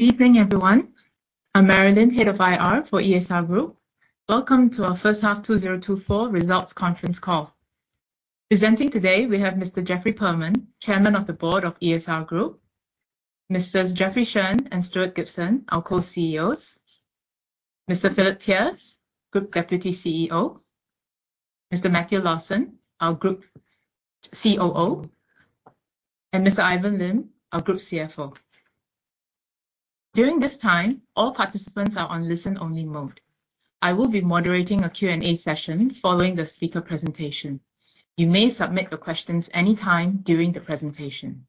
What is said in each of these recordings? Evening, everyone. I'm Marilyn, Head of IR for ESR Group. Welcome to our first half 2024 results conference call. Presenting today, we have Mr. Jeffrey Perlman, Chairman of the Board of ESR Group, Messrs. Jeffrey Shen and Stuart Gibson, our co-CEOs, Mr. Philip Pearce, Group Deputy CEO, Mr. Matthew Lawson, our Group COO, and Mr. Ivan Lim, our Group CFO. During this time, all participants are on listen-only mode. I will be moderating a Q&A session following the speaker presentation. You may submit your questions anytime during the presentation.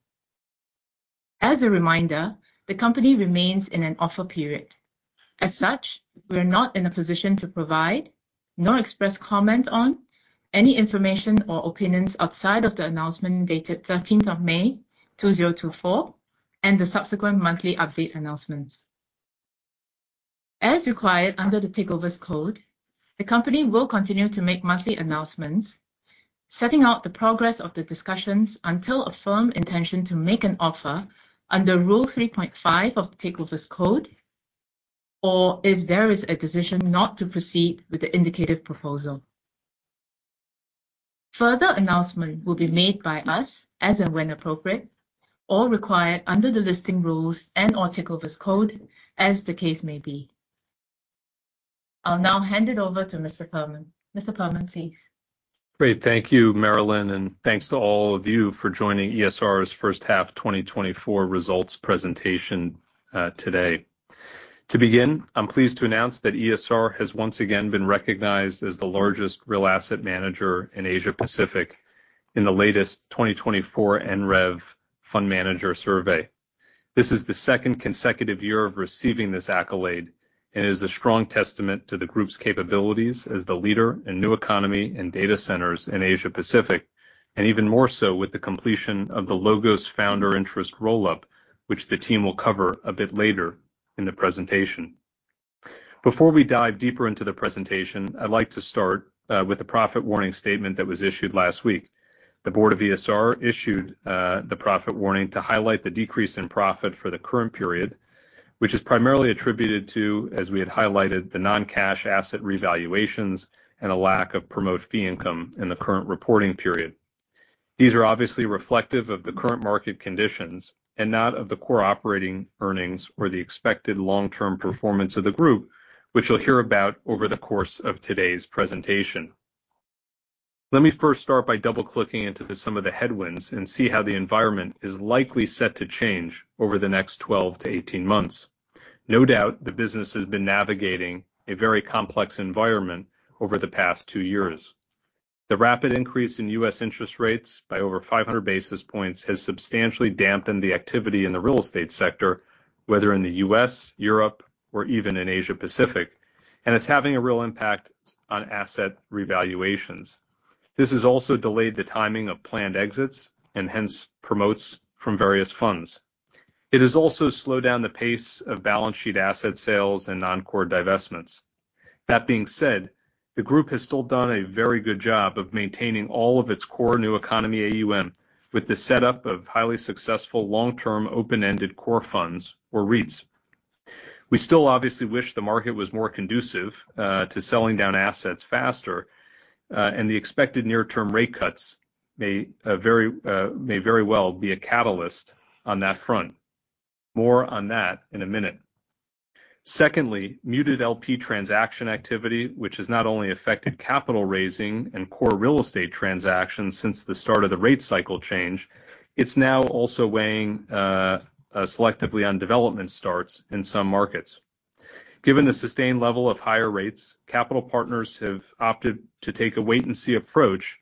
As a reminder, the company remains in an offer period. As such, we are not in a position to provide nor express comment on any information or opinions outside of the announcement dated thirteenth of May 2024, and the subsequent monthly update announcements. As required under the Takeovers Code, the company will continue to make monthly announcements, setting out the progress of the discussions until a firm intention to make an offer under Rule 3.5 of the Takeovers Code, or if there is a decision not to proceed with the indicative proposal. Further announcement will be made by us as and when appropriate or required under the listing rules and/or Takeovers Code, as the case may be. I'll now hand it over to Mr. Perlman. Mr. Perlman, please. Great. Thank you, Marilyn, and thanks to all of you for joining ESR's first half twenty twenty-four results presentation today. To begin, I'm pleased to announce that ESR has once again been recognized as the largest real asset manager in Asia Pacific in the latest twenty twenty-four ANREV Fund Manager Survey. This is the second consecutive year of receiving this accolade and is a strong testament to the Group's capabilities as the leader in New Economy and data centers in Asia Pacific, and even more so with the completion of the LOGOS founder interest roll-up, which the team will cover a bit later in the presentation. Before we dive deeper into the presentation, I'd like to start with the profit warning statement that was issued last week. The Board of ESR issued the profit warning to highlight the decrease in profit for the current period, which is primarily attributed to, as we had highlighted, the non-cash asset revaluations and a lack of promote fee income in the current reporting period. These are obviously reflective of the current market conditions and not of the core operating earnings or the expected long-term performance of the Group, which you'll hear about over the course of today's presentation. Let me first start by double-clicking into some of the headwinds and see how the environment is likely set to change over the next 12 to 18 months. No doubt, the business has been navigating a very complex environment over the past two years. The rapid increase in US interest rates by over five hundred basis points has substantially dampened the activity in the real estate sector, whether in the US, Europe, or even in Asia Pacific, and it's having a real impact on asset revaluations. This has also delayed the timing of planned exits and hence promote fees from various funds. It has also slowed down the pace of balance sheet asset sales and non-core divestments. That being said, the group has still done a very good job of maintaining all of its core new economy AUM with the setup of highly successful long-term, open-ended core funds or REITs. We still obviously wish the market was more conducive to selling down assets faster, and the expected near-term rate cuts may very well be a catalyst on that front. More on that in a minute. Secondly, muted LP transaction activity, which has not only affected capital raising and core real estate transactions since the start of the rate cycle change, it's now also weighing selectively on development starts in some markets. Given the sustained level of higher rates, capital partners have opted to take a wait and see approach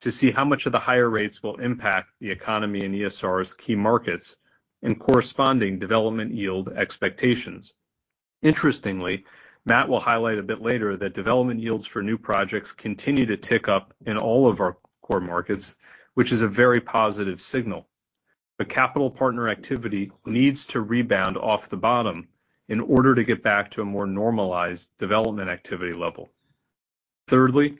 to see how much of the higher rates will impact the economy and ESR's key markets and corresponding development yield expectations. Interestingly, Matt will highlight a bit later that development yields for new projects continue to tick up in all of our core markets, which is a very positive signal. But capital partner activity needs to rebound off the bottom in order to get back to a more normalized development activity level. Thirdly,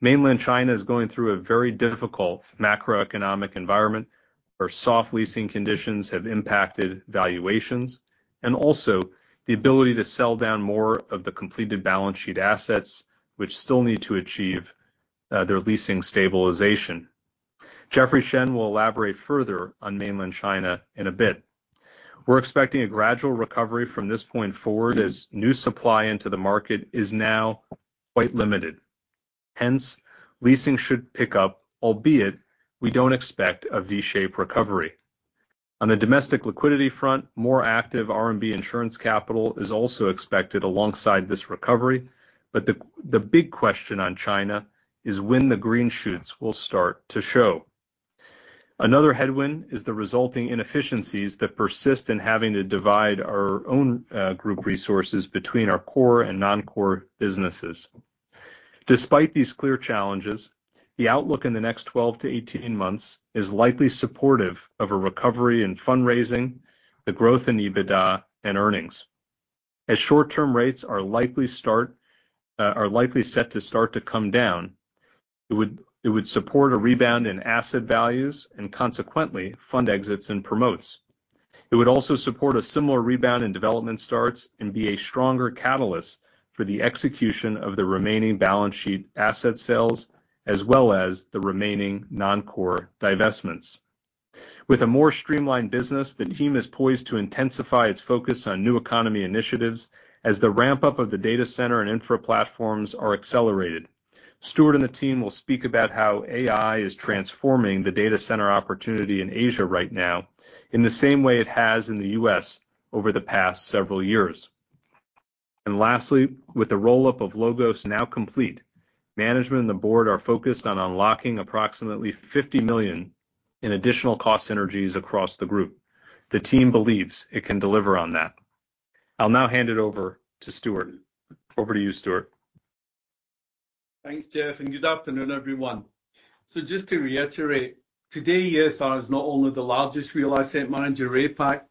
mainland China is going through a very difficult macroeconomic environment, where soft leasing conditions have impacted valuations and also the ability to sell down more of the completed balance sheet assets, which still need to achieve their leasing stabilization. Jeffrey Shen will elaborate further on mainland China in a bit. We're expecting a gradual recovery from this point forward, as new supply into the market is now quite limited. Hence, leasing should pick up, albeit we don't expect a V-shaped recovery. On the domestic liquidity front, more active RMB insurance capital is also expected alongside this recovery, but the big question on China is when the green shoots will start to show. Another headwind is the resulting inefficiencies that persist in having to divide our own group resources between our core and non-core businesses. Despite these clear challenges, the outlook in the next twelve to eighteen months is likely supportive of a recovery in fundraising, the growth in EBITDA and earnings.... As short-term rates are likely set to start to come down, it would support a rebound in asset values and consequently fund exits and promotes. It would also support a similar rebound in development starts and be a stronger catalyst for the execution of the remaining balance sheet asset sales, as well as the remaining non-core divestments. With a more streamlined business, the team is poised to intensify its focus on new economy initiatives as the ramp-up of the data center and infra platforms are accelerated. Stuart and the team will speak about how AI is transforming the data center opportunity in Asia right now, in the same way it has in the U.S. over the past several years. And lastly, with the roll-up of LOGOS now complete, management and the board are focused on unlocking approximately fifty million in additional cost synergies across the group. The team believes it can deliver on that. I'll now hand it over to Stuart. Over to you, Stuart. Thanks, Jeff, and good afternoon, everyone. So just to reiterate, today, ESR is not only the largest real asset manager in APAC,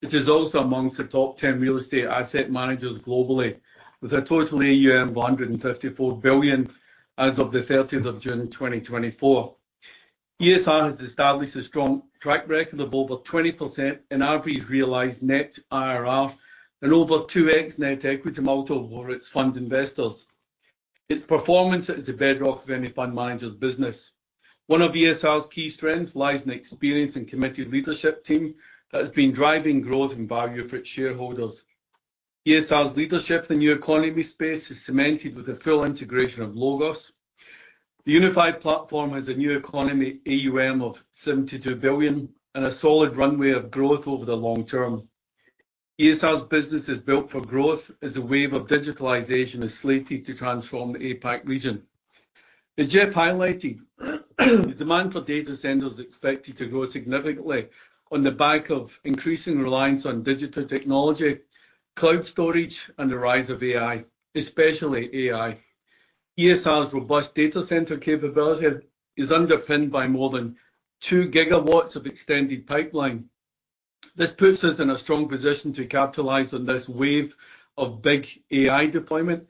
it is also among the top ten real estate asset managers globally, with a total AUM of $154 billion as of the thirtieth of June 2024. ESR has established a strong track record of over 20% in average realized net IRR and over 2x net equity multiple for its fund investors. Its performance is the bedrock of any fund manager's business. One of ESR's key strengths lies in experienced and committed leadership team that has been driving growth and value for its shareholders. ESR's leadership in the New Economy space is cemented with the full integration of LOGOS. The unified platform has a New Economy AUM of $72 billion and a solid runway of growth over the long term. ESR's business is built for growth as a wave of digitalization is slated to transform the APAC region. As Jeff highlighted, the demand for data centers is expected to grow significantly on the back of increasing reliance on digital technology, cloud storage, and the rise of AI, especially AI. ESR's robust data center capability is underpinned by more than two gigawatts of extended pipeline. This puts us in a strong position to capitalize on this wave of big AI deployment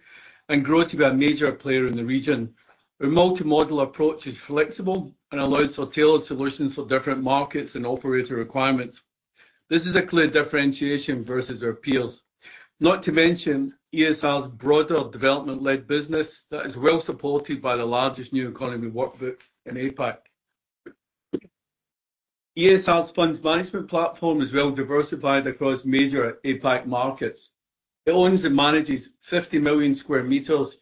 and grow to be a major player in the region. Our multi-model approach is flexible and allows for tailored solutions for different markets and operator requirements. This is a clear differentiation versus our peers. Not to mention, ESR's broader development-led business that is well supported by the largest new economy workbook in APAC. ESR's funds management platform is well diversified across major APAC markets. It owns and manages 50 million square meters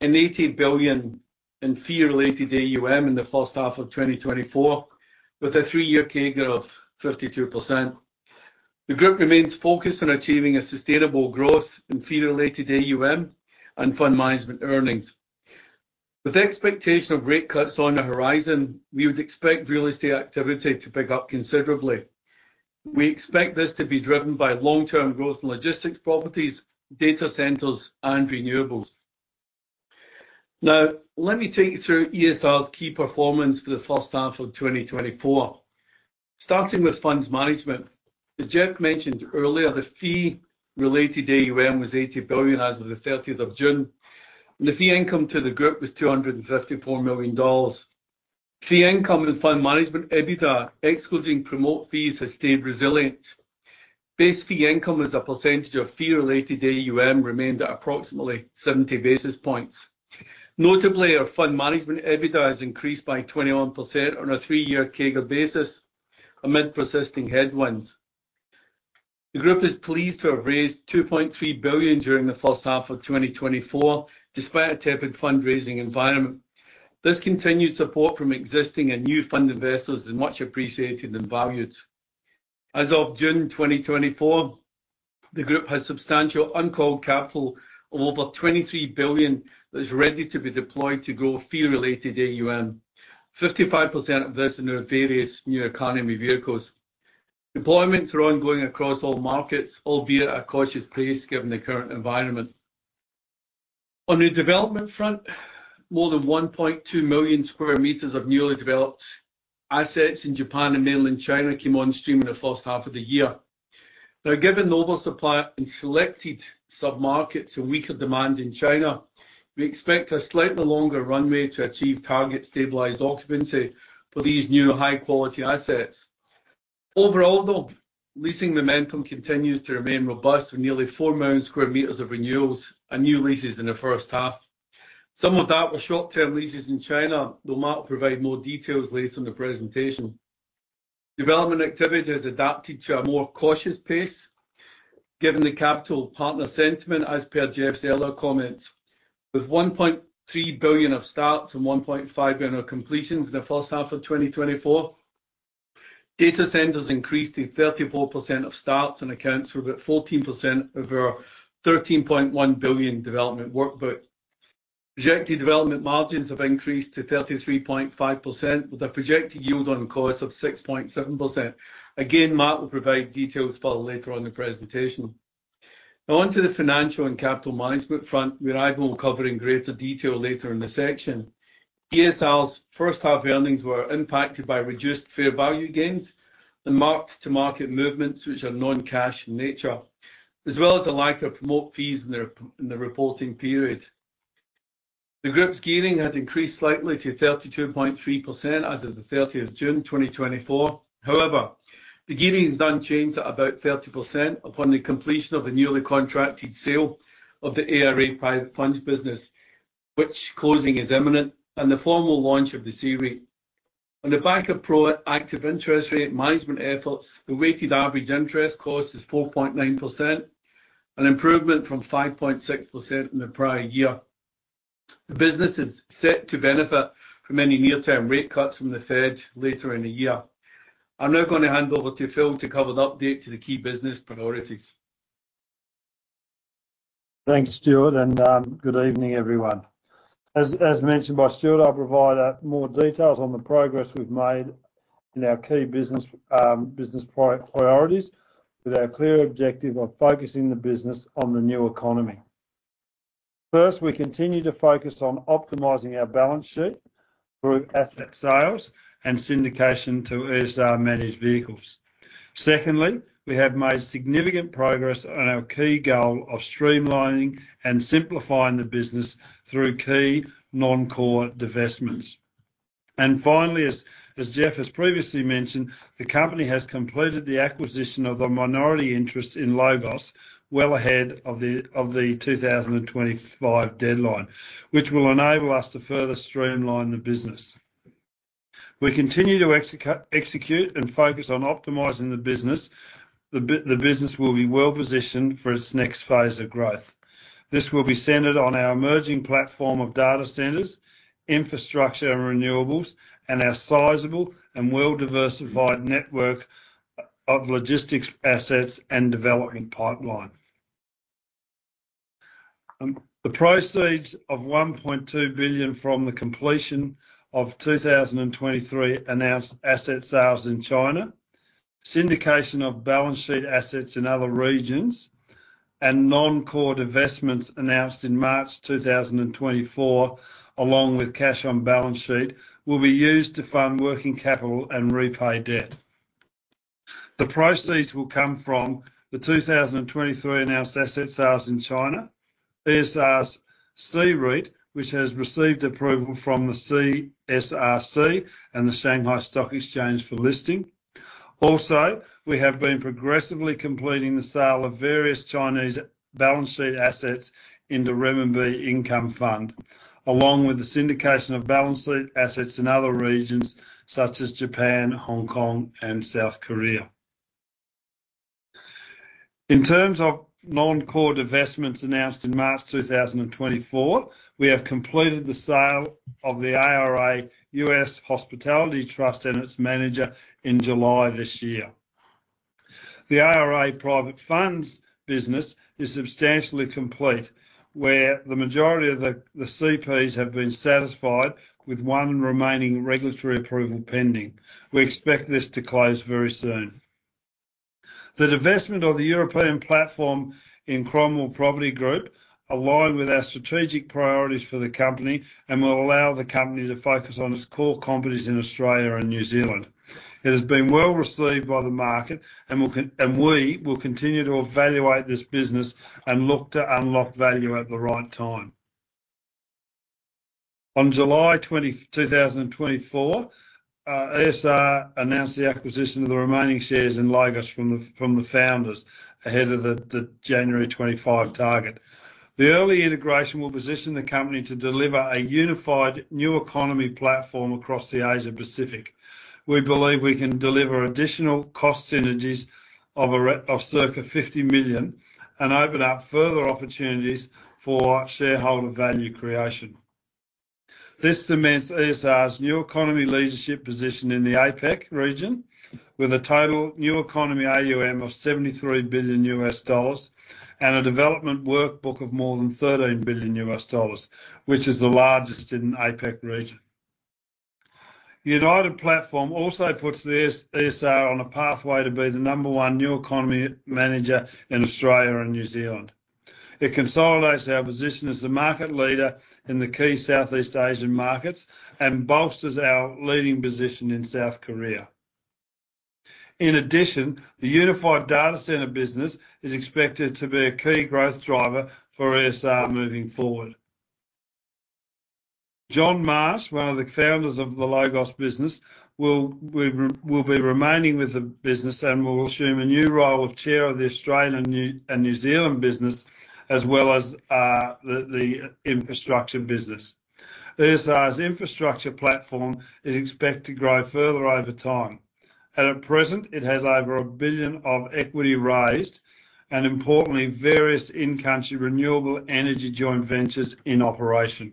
and $80 billion in fee-related AUM in the first half of 2024, with a three-year CAGR of 32%. The group remains focused on achieving a sustainable growth in fee-related AUM and fund management earnings. With the expectation of rate cuts on the horizon, we would expect real estate activity to pick up considerably. We expect this to be driven by long-term growth in logistics properties, data centers, and renewables. Now, let me take you through ESR's key performance for the first half of 2024. Starting with funds management. As Jeff mentioned earlier, the fee-related AUM was $80 billion as of the thirtieth of June, and the fee income to the group was $254 million. Fee income and fund management, EBITDA, excluding promote fees, has stayed resilient. Base fee income as a percentage of fee-related AUM remained at approximately 70 basis points. Notably, our fund management EBITDA has increased by 21% on a three-year CAGR basis amid persisting headwinds. The group is pleased to have raised $2.3 billion during the first half of 2024, despite a tepid fundraising environment. This continued support from existing and new fund investors is much appreciated and valued. As of June 2024, the group has substantial uncalled capital of over $23 billion that is ready to be deployed to grow fee-related AUM. 55% of this in our various New Economy vehicles. Deployments are ongoing across all markets, albeit at a cautious pace, given the current environment. On the development front, more than 1.2 million square meters of newly developed assets in Japan and mainland China came on stream in the first half of the year. Now, given the oversupply in selected submarkets and weaker demand in China, we expect a slightly longer runway to achieve target stabilized occupancy for these new high-quality assets. Overall, though, leasing momentum continues to remain robust, with nearly 4 million square meters of renewals and new leases in the first half. Some of that were short-term leases in China, though Matt will provide more details later in the presentation. Development activity has adapted to a more cautious pace, given the capital partner sentiment, as per Jeff's earlier comments. With $1.3 billion of starts and $1.5 billion of completions in the first half of 2024, data centers increased to 34% of starts and accounts for about 14% of our $13.1 billion development workbook. Projected development margins have increased to 33.5%, with a projected yield on cost of 6.7%. Again, Matt will provide details for later on in the presentation. Now on to the financial and capital management front, where I will cover in greater detail later in the section. ESR's first half earnings were impacted by reduced fair value gains and mark-to-market movements, which are non-cash in nature, as well as the lack of promote fees in the reporting period. The group's gearing had increased slightly to 32.3% as of the 30th of June, 2024. However, the gearing has unchanged at about 30% upon the completion of the newly contracted sale of the ARA Private Funds business, which closing is imminent and the formal launch of the C-REIT. On the back of proactive interest rate management efforts, the weighted average interest cost is 4.9%, an improvement from 5.6% in the prior year. The business is set to benefit from any near-term rate cuts from the Fed later in the year. I'm now gonna hand over to Phil to cover the update to the key business priorities. Thanks, Stuart, and good evening, everyone. As mentioned by Stuart, I'll provide more details on the progress we've made in our key business priorities, with our clear objective of focusing the business on the New Economy. First, we continue to focus on optimizing our balance sheet through asset sales and syndication to ESR-managed vehicles. Secondly, we have made significant progress on our key goal of streamlining and simplifying the business through key non-core divestments. And finally, as Jeff has previously mentioned, the company has completed the acquisition of a minority interest in LOGOS well ahead of the 2025 deadline, which will enable us to further streamline the business. We continue to execute and focus on optimizing the business. The business will be well positioned for its next phase of growth. This will be centered on our emerging platform of data centers, infrastructure and renewables, and our sizable and well-diversified network of logistics, assets, and development pipeline. The proceeds of $1.2 billion from the completion of 2023 announced asset sales in China, syndication of balance sheet assets in other regions, and non-core divestments announced in March 2024, along with cash on balance sheet, will be used to fund working capital and repay debt. The proceeds will come from the 2023 announced asset sales in China, ESR's C-REIT, which has received approval from the CSRC and the Shanghai Stock Exchange for listing. Also, we have been progressively completing the sale of various Chinese balance sheet assets in the Renminbi Income Fund, along with the syndication of balance sheet assets in other regions such as Japan, Hong Kong, and South Korea. In terms of non-core divestments announced in March 2024, we have completed the sale of the ARA US Hospitality Trust and its manager in July this year. The ARA Private Funds business is substantially complete, where the majority of the CPs have been satisfied, with one remaining regulatory approval pending. We expect this to close very soon. The divestment of the European platform in Cromwell Property Group align with our strategic priorities for the company and will allow the company to focus on its core competencies in Australia and New Zealand. It has been well received by the market, and we will continue to evaluate this business and look to unlock value at the right time. On July twenty, two thousand and twenty-four, ESR announced the acquisition of the remaining shares in LOGOS from the founders ahead of the January 2025 target. The early integration will position the company to deliver a unified New Economy platform across the Asia Pacific. We believe we can deliver additional cost synergies of circa 50 million and open up further opportunities for shareholder value creation. This cements ESR's New Economy leadership position in the APAC region, with a total New Economy AUM of $73 billion and a development pipeline of more than $13 billion, which is the largest in APAC region. The united platform also puts the ESR on a pathway to be the number one New Economy manager in Australia and New Zealand. It consolidates our position as the market leader in the key Southeast Asian markets and bolsters our leading position in South Korea. In addition, the unified data center business is expected to be a key growth driver for ESR moving forward. John Marsh, one of the founders of the LOGOS business, will be remaining with the business and will assume a new role of Chair of the Australian and New Zealand business, as well as the infrastructure business. ESR's infrastructure platform is expected to grow further over time, and at present, it has over a billion of equity raised and importantly, various in-country renewable energy joint ventures in operation.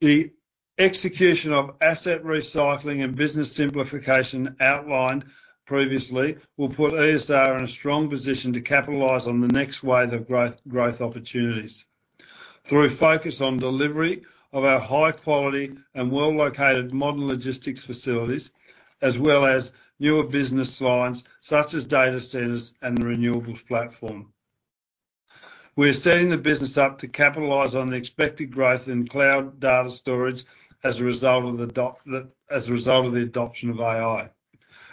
The execution of asset recycling and business simplification outlined previously will put ESR in a strong position to capitalize on the next wave of growth opportunities. Through a focus on delivery of our high quality and well-located modern logistics facilities, as well as newer business lines such as data centers and the renewables platform. We are setting the business up to capitalize on the expected growth in cloud data storage as a result of the adoption of AI.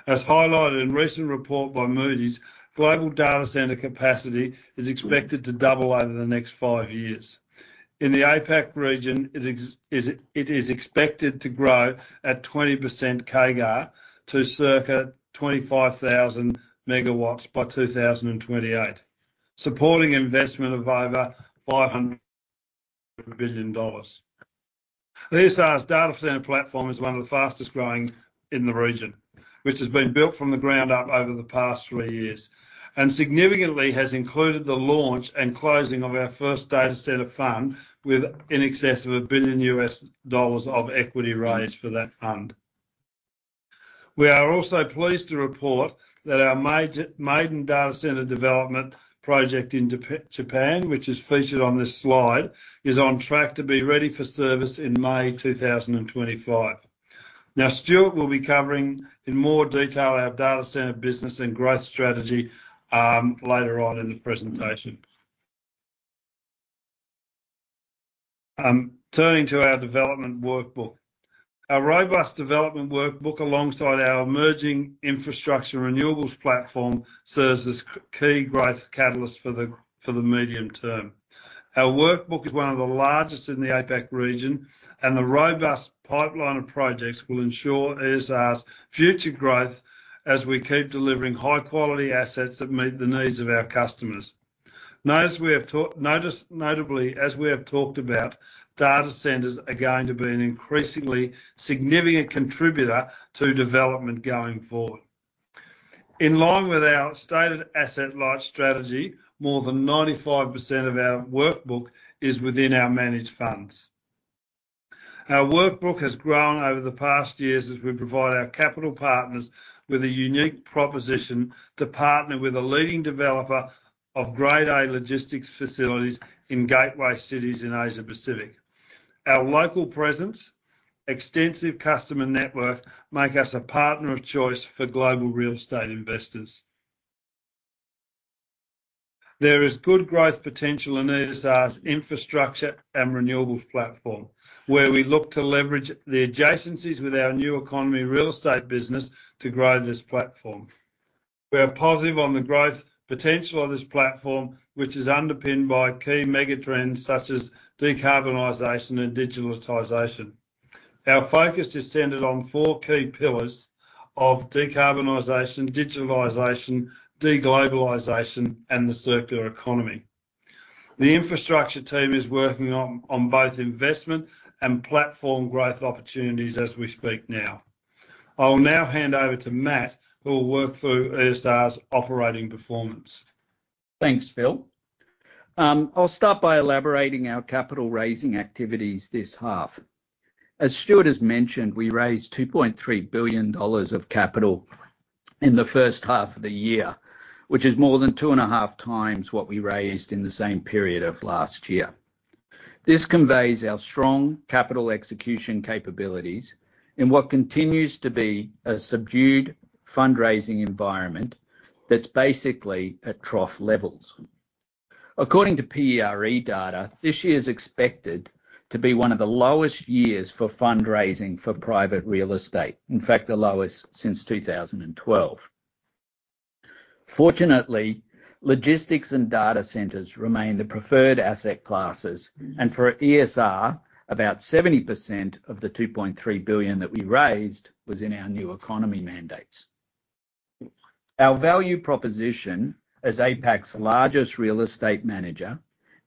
As highlighted in recent report by Moody's, global data center capacity is expected to double over the next five years. In the APAC region, it is expected to grow at 20% CAGR to circa 25,000 megawatts by 2028, supporting investment of over $500 billion. The ESR's data center platform is one of the fastest growing in the region, which has been built from the ground up over the past three years, and significantly has included the launch and closing of our first data center fund with in excess of $1 billion of equity raised for that fund. We are also pleased to report that our maiden data center development project in Japan, which is featured on this slide, is on track to be ready for service in May two thousand and twenty-five. Now, Stuart will be covering in more detail our data center business and growth strategy later on in the presentation. Turning to our development workbook. Our robust development workbook, alongside our emerging infrastructure renewables platform, serves as key growth catalyst for the medium term. Our workbook is one of the largest in the APAC region, and the robust pipeline of projects will ensure ESR's future growth as we keep delivering high-quality assets that meet the needs of our customers. Notably, as we have talked about, data centers are going to be an increasingly significant contributor to development going forward. In line with our stated asset light strategy, more than 95% of our workbook is within our managed funds. Our workbook has grown over the past years as we provide our capital partners with a unique proposition to partner with a leading developer of grade A logistics facilities in gateway cities in Asia-Pacific. Our local presence, extensive customer network, make us a partner of choice for global real estate investors. There is good growth potential in ESR's infrastructure and renewables platform, where we look to leverage the adjacencies with our new economy real estate business to grow this platform. We are positive on the growth potential of this platform, which is underpinned by key mega trends such as decarbonization and digitalization. Our focus is centered on four key pillars of decarbonization, digitalization, de-globalization, and the circular economy. The infrastructure team is working on both investment and platform growth opportunities as we speak now. I will now hand over to Matt, who will work through ESR's operating performance. Thanks, Phil. I'll start by elaborating our capital raising activities this half. As Stuart has mentioned, we raised $2.3 billion of capital in the first half of the year, which is more than two and a half times what we raised in the same period of last year. This conveys our strong capital execution capabilities in what continues to be a subdued fundraising environment that's basically at trough levels. According to PERE data, this year is expected to be one of the lowest years for fundraising for private real estate, in fact, the lowest since 2012. Fortunately, logistics and data centers remain the preferred asset classes, and for ESR, about 70% of the $2.3 billion that we raised was in our new economy mandates. Our value proposition as APAC's largest real estate manager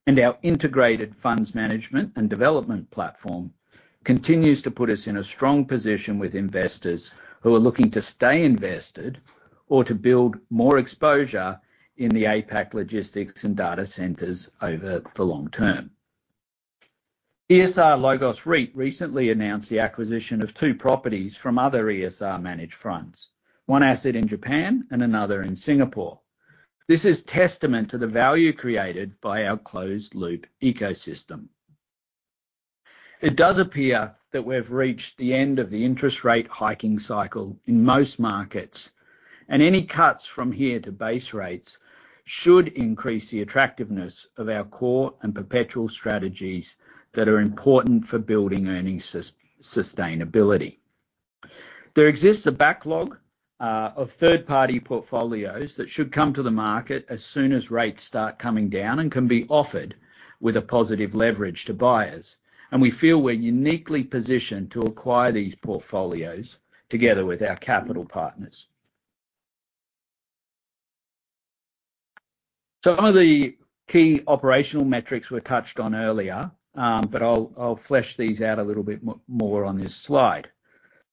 and our integrated funds management and development platform continues to put us in a strong position with investors who are looking to stay invested or to build more exposure in the APAC logistics and data centers over the long term. ESR-LOGOS REIT recently announced the acquisition of two properties from other ESR-managed funds, one asset in Japan and another in Singapore. This is testament to the value created by our closed-loop ecosystem. It does appear that we've reached the end of the interest rate hiking cycle in most markets, and any cuts from here to base rates should increase the attractiveness of our core and perpetual strategies that are important for building earnings sustainability. There exists a backlog of third-party portfolios that should come to the market as soon as rates start coming down and can be offered with a positive leverage to buyers, and we feel we're uniquely positioned to acquire these portfolios together with our capital partners. So some of the key operational metrics were touched on earlier, but I'll flesh these out a little bit more on this slide.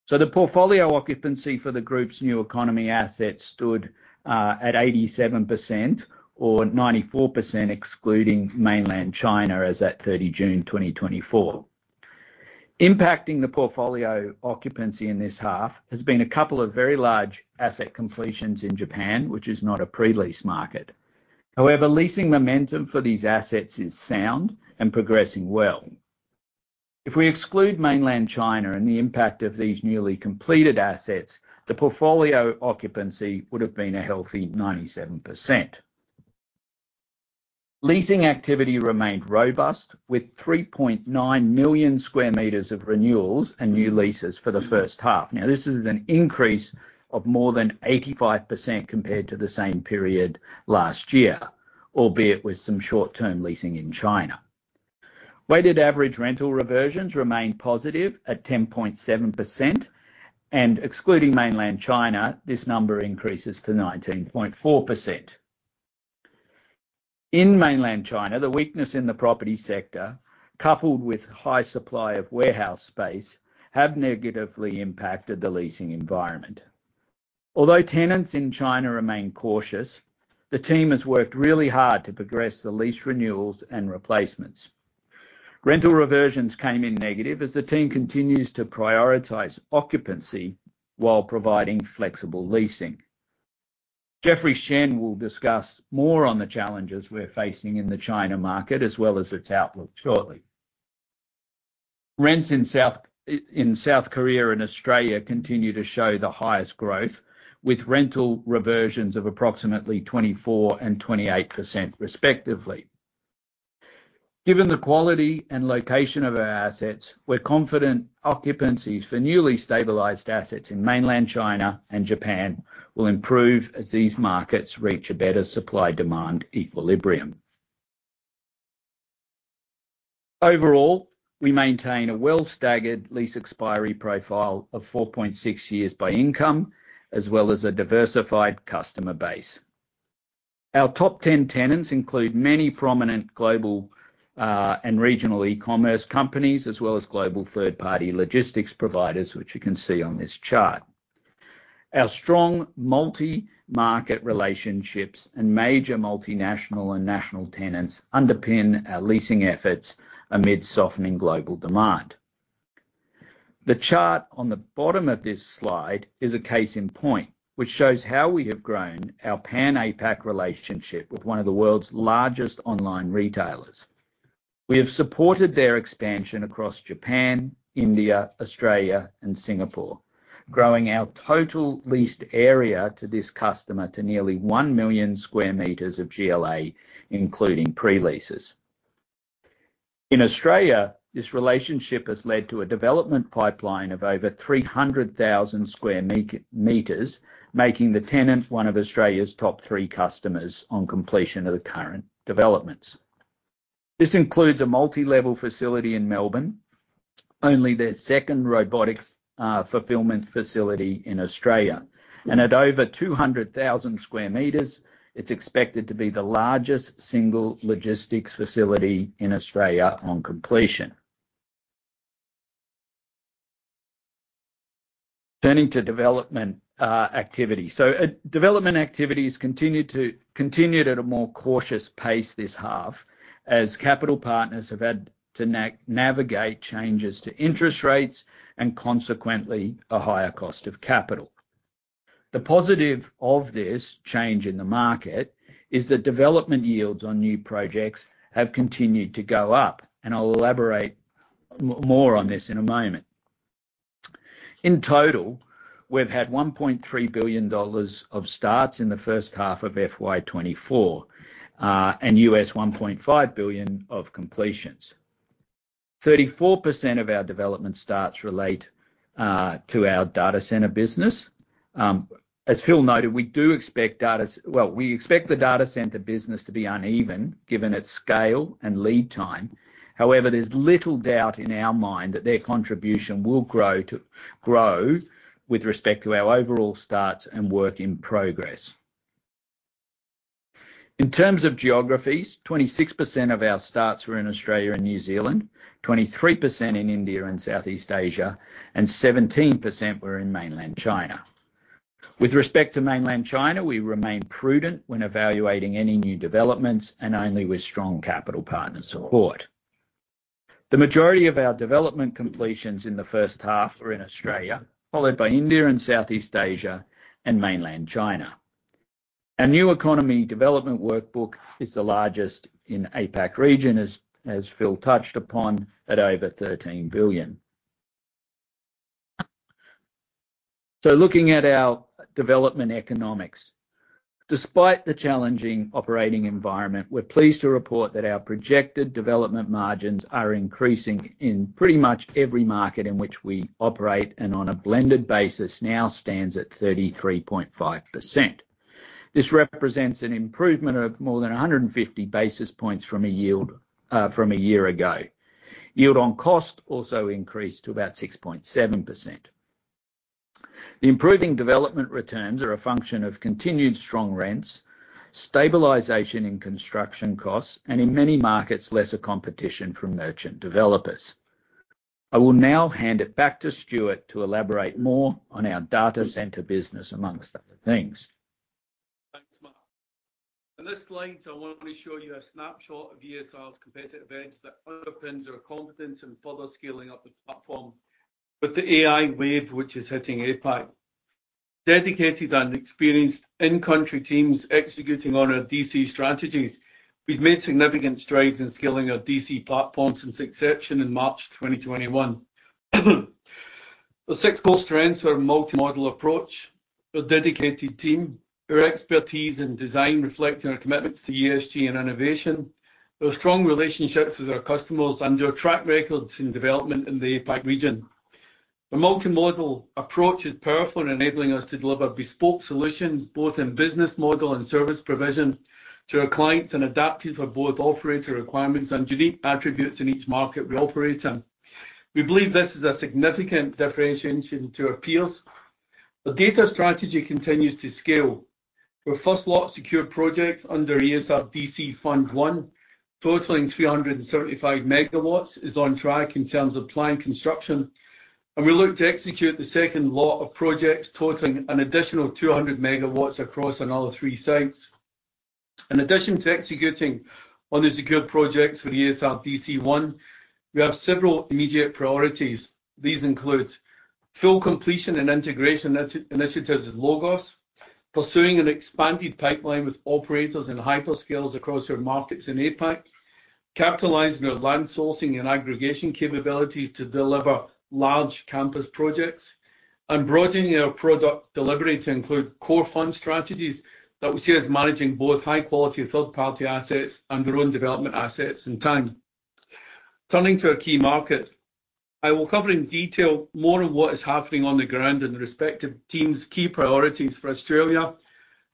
So the portfolio occupancy for the group's new economy assets stood at 87%, or 94%, excluding Mainland China, as at 30 June 2024. Impacting the portfolio occupancy in this half has been a couple of very large asset completions in Japan, which is not a pre-lease market. However, leasing momentum for these assets is sound and progressing well. If we exclude Mainland China and the impact of these newly completed assets, the portfolio occupancy would have been a healthy 97%. Leasing activity remained robust, with 3.9 million sq m of renewals and new leases for the first half. Now, this is an increase of more than 85% compared to the same period last year, albeit with some short-term leasing in China. Weighted average rental reversions remained positive at 10.7%, and excluding Mainland China, this number increases to 19.4%. In Mainland China, the weakness in the property sector, coupled with high supply of warehouse space, have negatively impacted the leasing environment. Although tenants in China remain cautious, the team has worked really hard to progress the lease renewals and replacements. Rental reversions came in negative as the team continues to prioritize occupancy while providing flexible leasing. Jeffrey Shen will discuss more on the challenges we're facing in the China market, as well as its outlook shortly. Rents in South, in South Korea and Australia continue to show the highest growth, with rental reversions of approximately 24% and 28% respectively. Given the quality and location of our assets, we're confident occupancies for newly stabilized assets in mainland China and Japan will improve as these markets reach a better supply-demand equilibrium. Overall, we maintain a well staggered lease expiry profile of 4.6 years by income, as well as a diversified customer base. Our top ten tenants include many prominent global, and regional e-commerce companies, as well as global third-party logistics providers, which you can see on this chart. Our strong multi-market relationships and major multinational and national tenants underpin our leasing efforts amid softening global demand. The chart on the bottom of this slide is a case in point, which shows how we have grown our pan APAC relationship with one of the world's largest online retailers. We have supported their expansion across Japan, India, Australia, and Singapore, growing our total leased area to this customer to nearly one million square meters of GLA, including pre-leases. In Australia, this relationship has led to a development pipeline of over three hundred thousand square meters, making the tenant one of Australia's top three customers on completion of the current developments. This includes a multi-level facility in Melbourne, only their second robotics fulfillment facility in Australia, and at over two hundred thousand square meters, it's expected to be the largest single logistics facility in Australia on completion. Turning to development, activity. Development activities continued at a more cautious pace this half, as capital partners have had to navigate changes to interest rates and consequently a higher cost of capital. The positive of this change in the market is that development yields on new projects have continued to go up, and I'll elaborate more on this in a moment. In total, we've had $1.3 billion of starts in the first half of FY 2024, and $1.5 billion of completions. 34% of our development starts relate to our data center business. As Phil noted, we do expect the data center business to be uneven, given its scale and lead time. However, there's little doubt in our mind that their contribution will grow with respect to our overall starts and work in progress. In terms of geographies, 26% of our starts were in Australia and New Zealand, 23% in India and Southeast Asia, and 17% were in mainland China. With respect to mainland China, we remain prudent when evaluating any new developments and only with strong capital partner support. The majority of our development completions in the first half were in Australia, followed by India and Southeast Asia and mainland China. Our new economy development pipeline is the largest in APAC region, as Phil touched upon, at over $13 billion. So looking at our development economics. Despite the challenging operating environment, we're pleased to report that our projected development margins are increasing in pretty much every market in which we operate, and on a blended basis now stands at 33.5%. This represents an improvement of more than 150 basis points from a yield, from a year ago. Yield on cost also increased to about 6.7%. The improving development returns are a function of continued strong rents, stabilization in construction costs, and in many markets, lesser competition from merchant developers. I will now hand it back to Stuart to elaborate more on our data center business, among other things. Thanks, Matt. On this slide, I want to show you a snapshot of ESR's competitive edge that underpins our confidence in further scaling up the platform with the AI wave, which is hitting APAC. Dedicated and experienced in-country teams executing on our DC strategies, we've made significant strides in scaling our DC platform since inception in March twenty twenty-one.... Our six core strengths are our multi-model approach, our dedicated team, our expertise in design reflecting our commitments to ESG and innovation, our strong relationships with our customers, and our track records in development in the APAC region. Our multi-model approach is powerful in enabling us to deliver bespoke solutions, both in business model and service provision, to our clients, and adapted for both operator requirements and unique attributes in each market we operate in. We believe this is a significant differentiation to our peers. Our data strategy continues to scale. Our first lot secured projects under ESR-DC Fund I, totaling 375 megawatts, is on track in terms of planned construction, and we look to execute the second lot of projects totaling an additional 200 megawatts across another three sites. In addition to executing on the secured projects for the ESR-DC I, we have several immediate priorities. These include full completion and integration initiatives with LOGOS, pursuing an expanded pipeline with operators and hyperscalers across our markets in APAC, capitalizing our land sourcing and aggregation capabilities to deliver large campus projects, and broadening our product delivery to include core fund strategies that we see as managing both high quality of third-party assets and their own development assets in time. Turning to our key markets, I will cover in detail more on what is happening on the ground and the respective team's key priorities for Australia,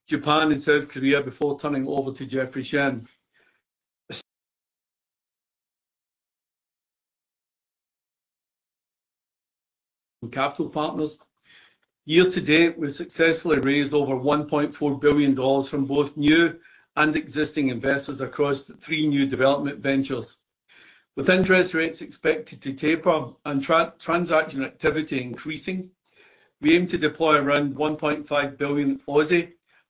Japan, and South Korea before turning over to Jeffrey Shen. Capital partners. Year to date, we've successfully raised over $1.4 billion from both new and existing investors across the three new development ventures. With interest rates expected to taper and transaction activity increasing, we aim to deploy around 1.5 billion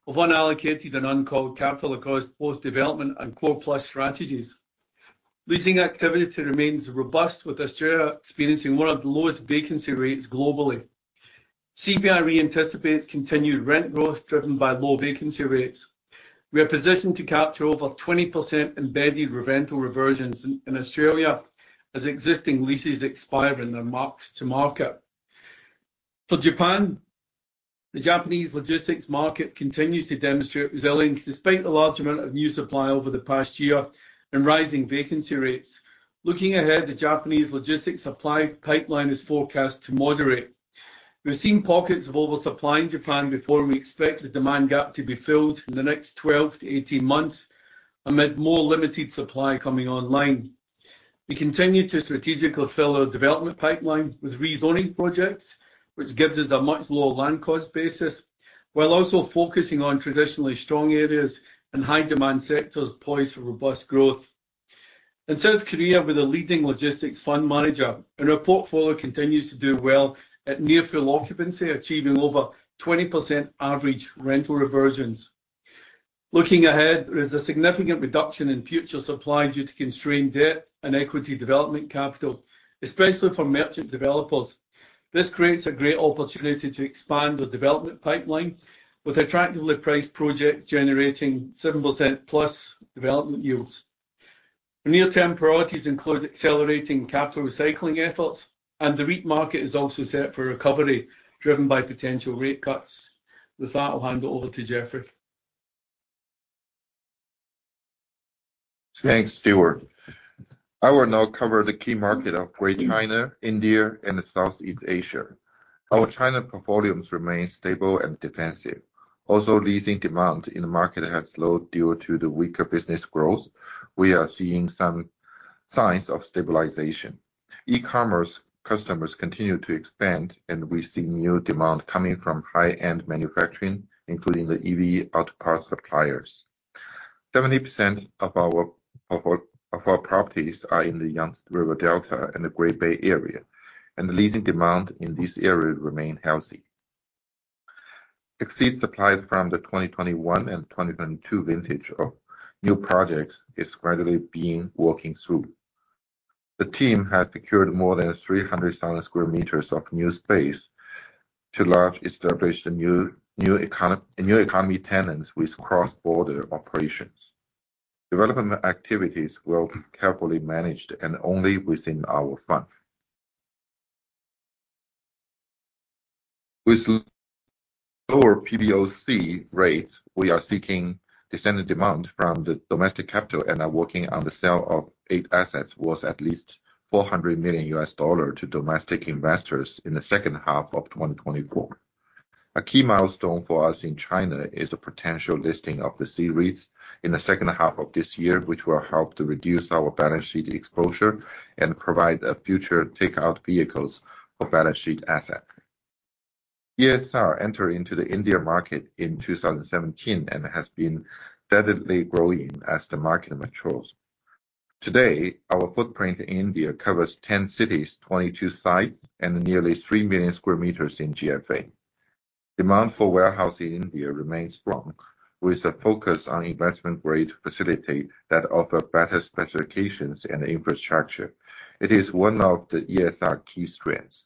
of unallocated and uncalled capital across both development and core plus strategies. Leasing activity remains robust, with Australia experiencing one of the lowest vacancy rates globally. CBRE anticipates continued rent growth, driven by low vacancy rates. We are positioned to capture over 20% embedded rental reversions in Australia as existing leases expire and are marked to market. For Japan, the Japanese logistics market continues to demonstrate resilience despite a large amount of new supply over the past year and rising vacancy rates. Looking ahead, the Japanese logistics supply pipeline is forecast to moderate. We've seen pockets of oversupply in Japan before, and we expect the demand gap to be filled in the next twelve to eighteen months amid more limited supply coming online. We continue to strategically fill our development pipeline with rezoning projects, which gives us a much lower land cost basis, while also focusing on traditionally strong areas and high demand sectors poised for robust growth. In South Korea, we're the leading logistics fund manager, and our portfolio continues to do well at near-full occupancy, achieving over 20% average rental reversions. Looking ahead, there is a significant reduction in future supply due to constrained debt and equity development capital, especially for merchant developers. This creates a great opportunity to expand our development pipeline with attractively priced projects, generating 7% plus development yields. Our near-term priorities include accelerating capital recycling efforts, and the REIT market is also set for recovery, driven by potential rate cuts. With that, I'll hand it over to Jeffrey. Thanks, Stuart. I will now cover the key market of Greater China, India, and Southeast Asia. Our China portfolios remain stable and defensive. Also, leasing demand in the market has slowed due to the weaker business growth. We are seeing some signs of stabilization. E-commerce customers continue to expand, and we see new demand coming from high-end manufacturing, including the EV auto parts suppliers. 70% of our properties are in the Yangtze River Delta and the Greater Bay Area, and the leasing demand in this area remain healthy. Excess supplies from the 2021 and 2022 vintage of new projects is gradually being worked through. The team has secured more than 300,000 square meters of new space to largely establish new economy tenants with cross-border operations. Development activities were carefully managed and only within our fund. With lower PBOC rates, we are seeking decent demand from the domestic capital and are working on the sale of eight assets worth at least $400 million to domestic investors in the second half of 2024. A key milestone for us in China is the potential listing of the C-REIT in the second half of this year, which will help to reduce our balance sheet exposure and provide a future takeout vehicles for balance sheet asset. ESR entered into the India market in 2017 and has been steadily growing as the market matures. Today, our footprint in India covers 10 cities, 22 sites, and nearly 3 million square meters in GFA. Demand for warehousing in India remains strong, with a focus on investment-grade facility that offer better specifications and infrastructure. It is one of the ESR key strengths.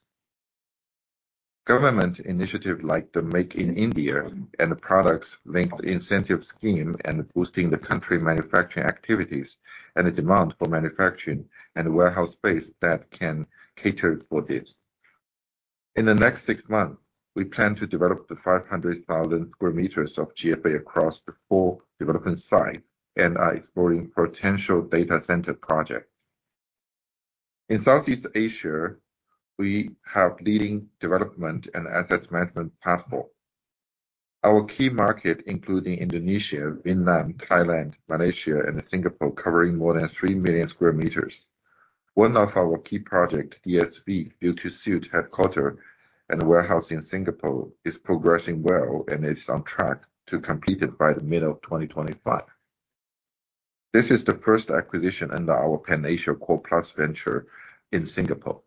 Government initiatives like the Make in India and the Production Linked Incentive Scheme and boosting the country's manufacturing activities, and the demand for manufacturing and warehouse space that can cater for this. In the next six months, we plan to develop 500,000 square meters of GFA across the four development sites and are exploring potential data center projects. In Southeast Asia, we have leading development and asset management platform. Our key markets, including Indonesia, Vietnam, Thailand, Malaysia, and Singapore, covering more than 3 million square meters. One of our key projects, DSV's new corporate headquarters and warehouse in Singapore, is progressing well and is on track to complete it by the middle of 2025. This is the first acquisition under our Pan Asia Core Plus venture in Singapore.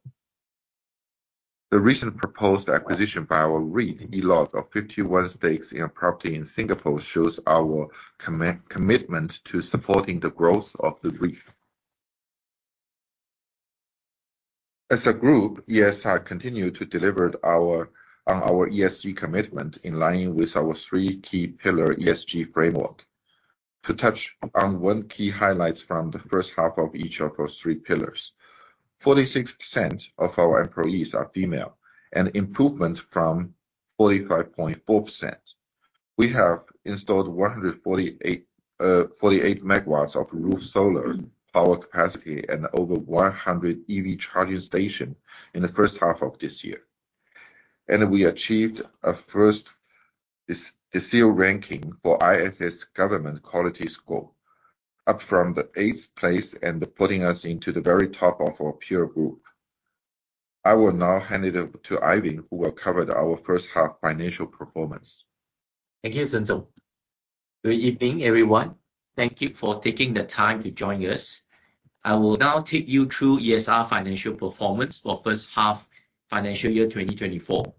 The recent proposed acquisition by our REIT, E-LOG, of 51 stakes in a property in Singapore, shows our commitment to supporting the growth of the REIT. As a group, ESR continue to deliver on our ESG commitment in line with our three key pillar ESG framework. To touch on one key highlights from the first half of each of those three pillars, 46% of our employees are female, an improvement from 45.4%. We have installed 48 megawatts of roof solar power capacity and over 100 EV charging station in the first half of this year. We achieved a first decile ranking for ISS Governance QualityScore, up from the eighth place and putting us into the very top of our peer group. I will now hand it over to Ivan, who will cover our first half financial performance. Thank you, Shen. Good evening, everyone. Thank you for taking the time to join us. I will now take you through ESR financial performance for first half financial year 2024.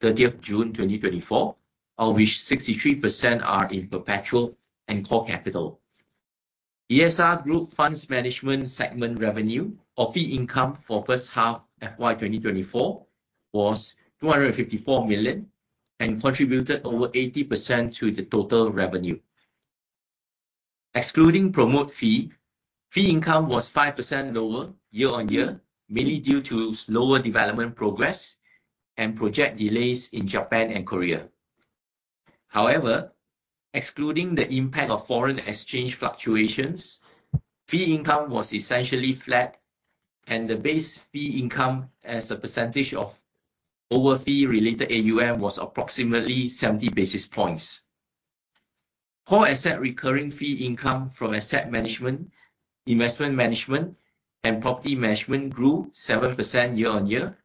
Fee-related AUM remained at $80 billion as at 30th June 2024, of which 63% are in perpetual and core capital. ESR Group funds management segment revenue or fee income for first half FY 2024 was $254 million, and contributed over 80% to the total revenue. Excluding promote fee, fee income was 5% lower year on year, mainly due to slower development progress and project delays in Japan and Korea. However, excluding the impact of foreign exchange fluctuations, fee income was essentially flat, and the base fee income as a percentage of average fee-related AUM was approximately 70 basis points. Core asset recurring fee income from asset management, investment management, and property management grew 7% year on year,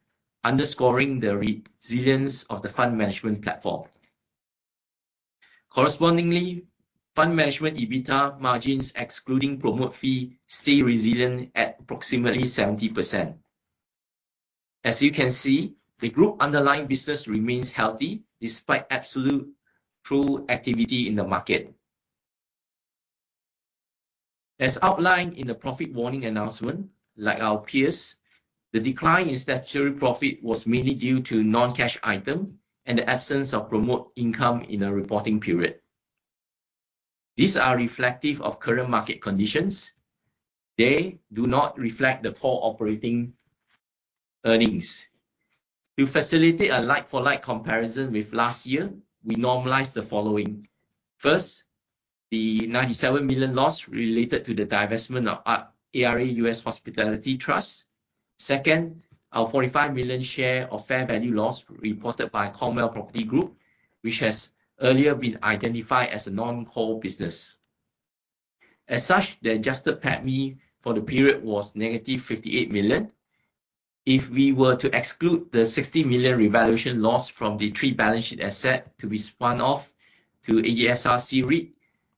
underscoring the resilience of the fund management platform. Correspondingly, fund management EBITDA margins, excluding promote fee, stay resilient at approximately 70%. As you can see, the group underlying business remains healthy despite absolute trough activity in the market. As outlined in the profit warning announcement, like our peers, the decline in statutory profit was mainly due to non-cash item and the absence of promote income in a reporting period. These are reflective of current market conditions. They do not reflect the core operating earnings. To facilitate a like-for-like comparison with last year, we normalize the following. First, the $97 million loss related to the divestment of ARA US Hospitality Trust. Second, our $45 million share of fair value loss reported by Cromwell Property Group, which has earlier been identified as a non-core business. As such, the adjusted PATMI for the period was -$58 million. If we were to exclude the $60 million revaluation loss from the three balance sheet asset to be spun off to ESR REIT,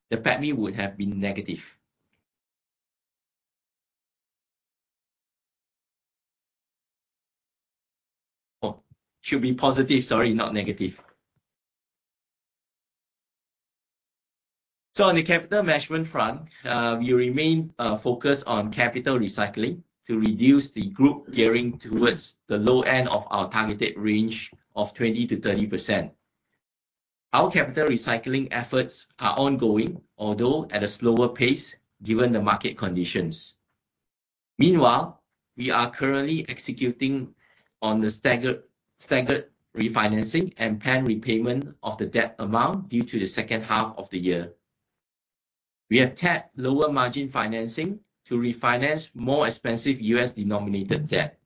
the PATMI would have been negative. Oh, should be positive, sorry, not negative. So on the capital management front, we remain focused on capital recycling to reduce the group gearing towards the low end of our targeted range of 20%-30%. Our capital recycling efforts are ongoing, although at a slower pace, given the market conditions. Meanwhile, we are currently executing on the staggered refinancing and planned repayment of the debt amount due to the second half of the year. We have tapped lower margin financing to refinance more expensive U.S.-denominated debt.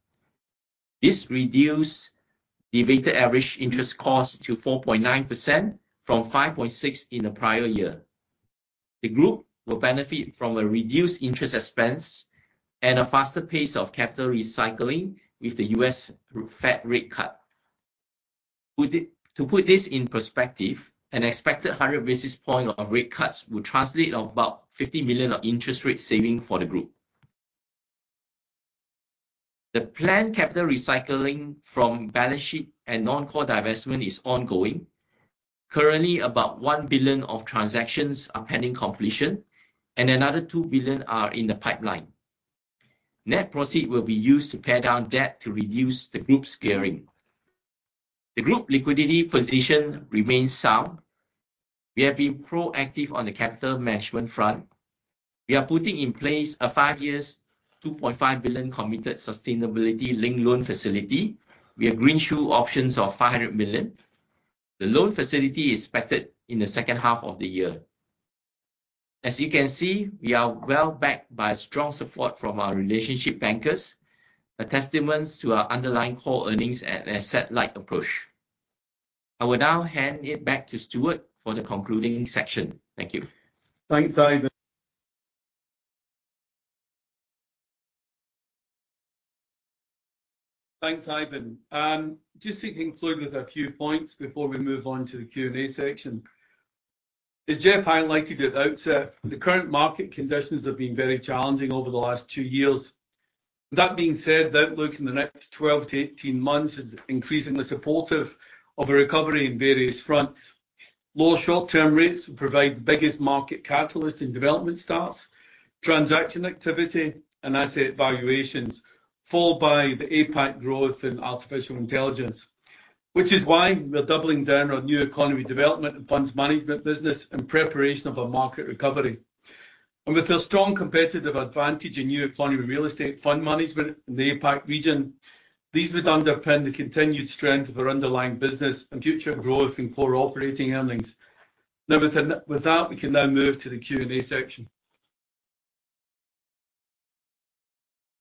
This reduced the weighted average interest cost to 4.9% from 5.6% in the prior year. The group will benefit from a reduced interest expense and a faster pace of capital recycling with the U.S. Fed rate cut. To put this in perspective, an expected 100 basis points of rate cuts will translate to about $50 million of interest rate savings for the group. The planned capital recycling from balance sheet and non-core divestment is ongoing. Currently, about $1 billion of transactions are pending completion, and another $2 billion are in the pipeline. Net proceeds will be used to pay down debt to reduce the group's gearing. The group's liquidity position remains sound. We have been proactive on the capital management front. We are putting in place a five-year $2.5 billion committed sustainability-linked loan facility. We have greenshoe options of $500 million. The loan facility is expected in the second half of the year. As you can see, we are well backed by strong support from our relationship bankers, a testament to our underlying core earnings and asset-light approach. I will now hand it back to Stuart for the concluding section. Thank you. Thanks, Ivan. Thanks, Ivan. Just to conclude with a few points before we move on to the Q&A section. As Jeff highlighted at the outset, the current market conditions have been very challenging over the last two years. That being said, the outlook in the next 12-18 months is increasingly supportive of a recovery in various fronts. Lower short-term rates will provide the biggest market catalyst in development starts, transaction activity, and asset valuations, followed by the APAC growth in artificial intelligence, which is why we're doubling down on new economy development and funds management business in preparation of a market recovery, and with a strong competitive advantage in new economy, real estate fund management in the APAC region, these would underpin the continued strength of our underlying business and future growth in core operating earnings. Now, with that, we can now move to the Q&A section.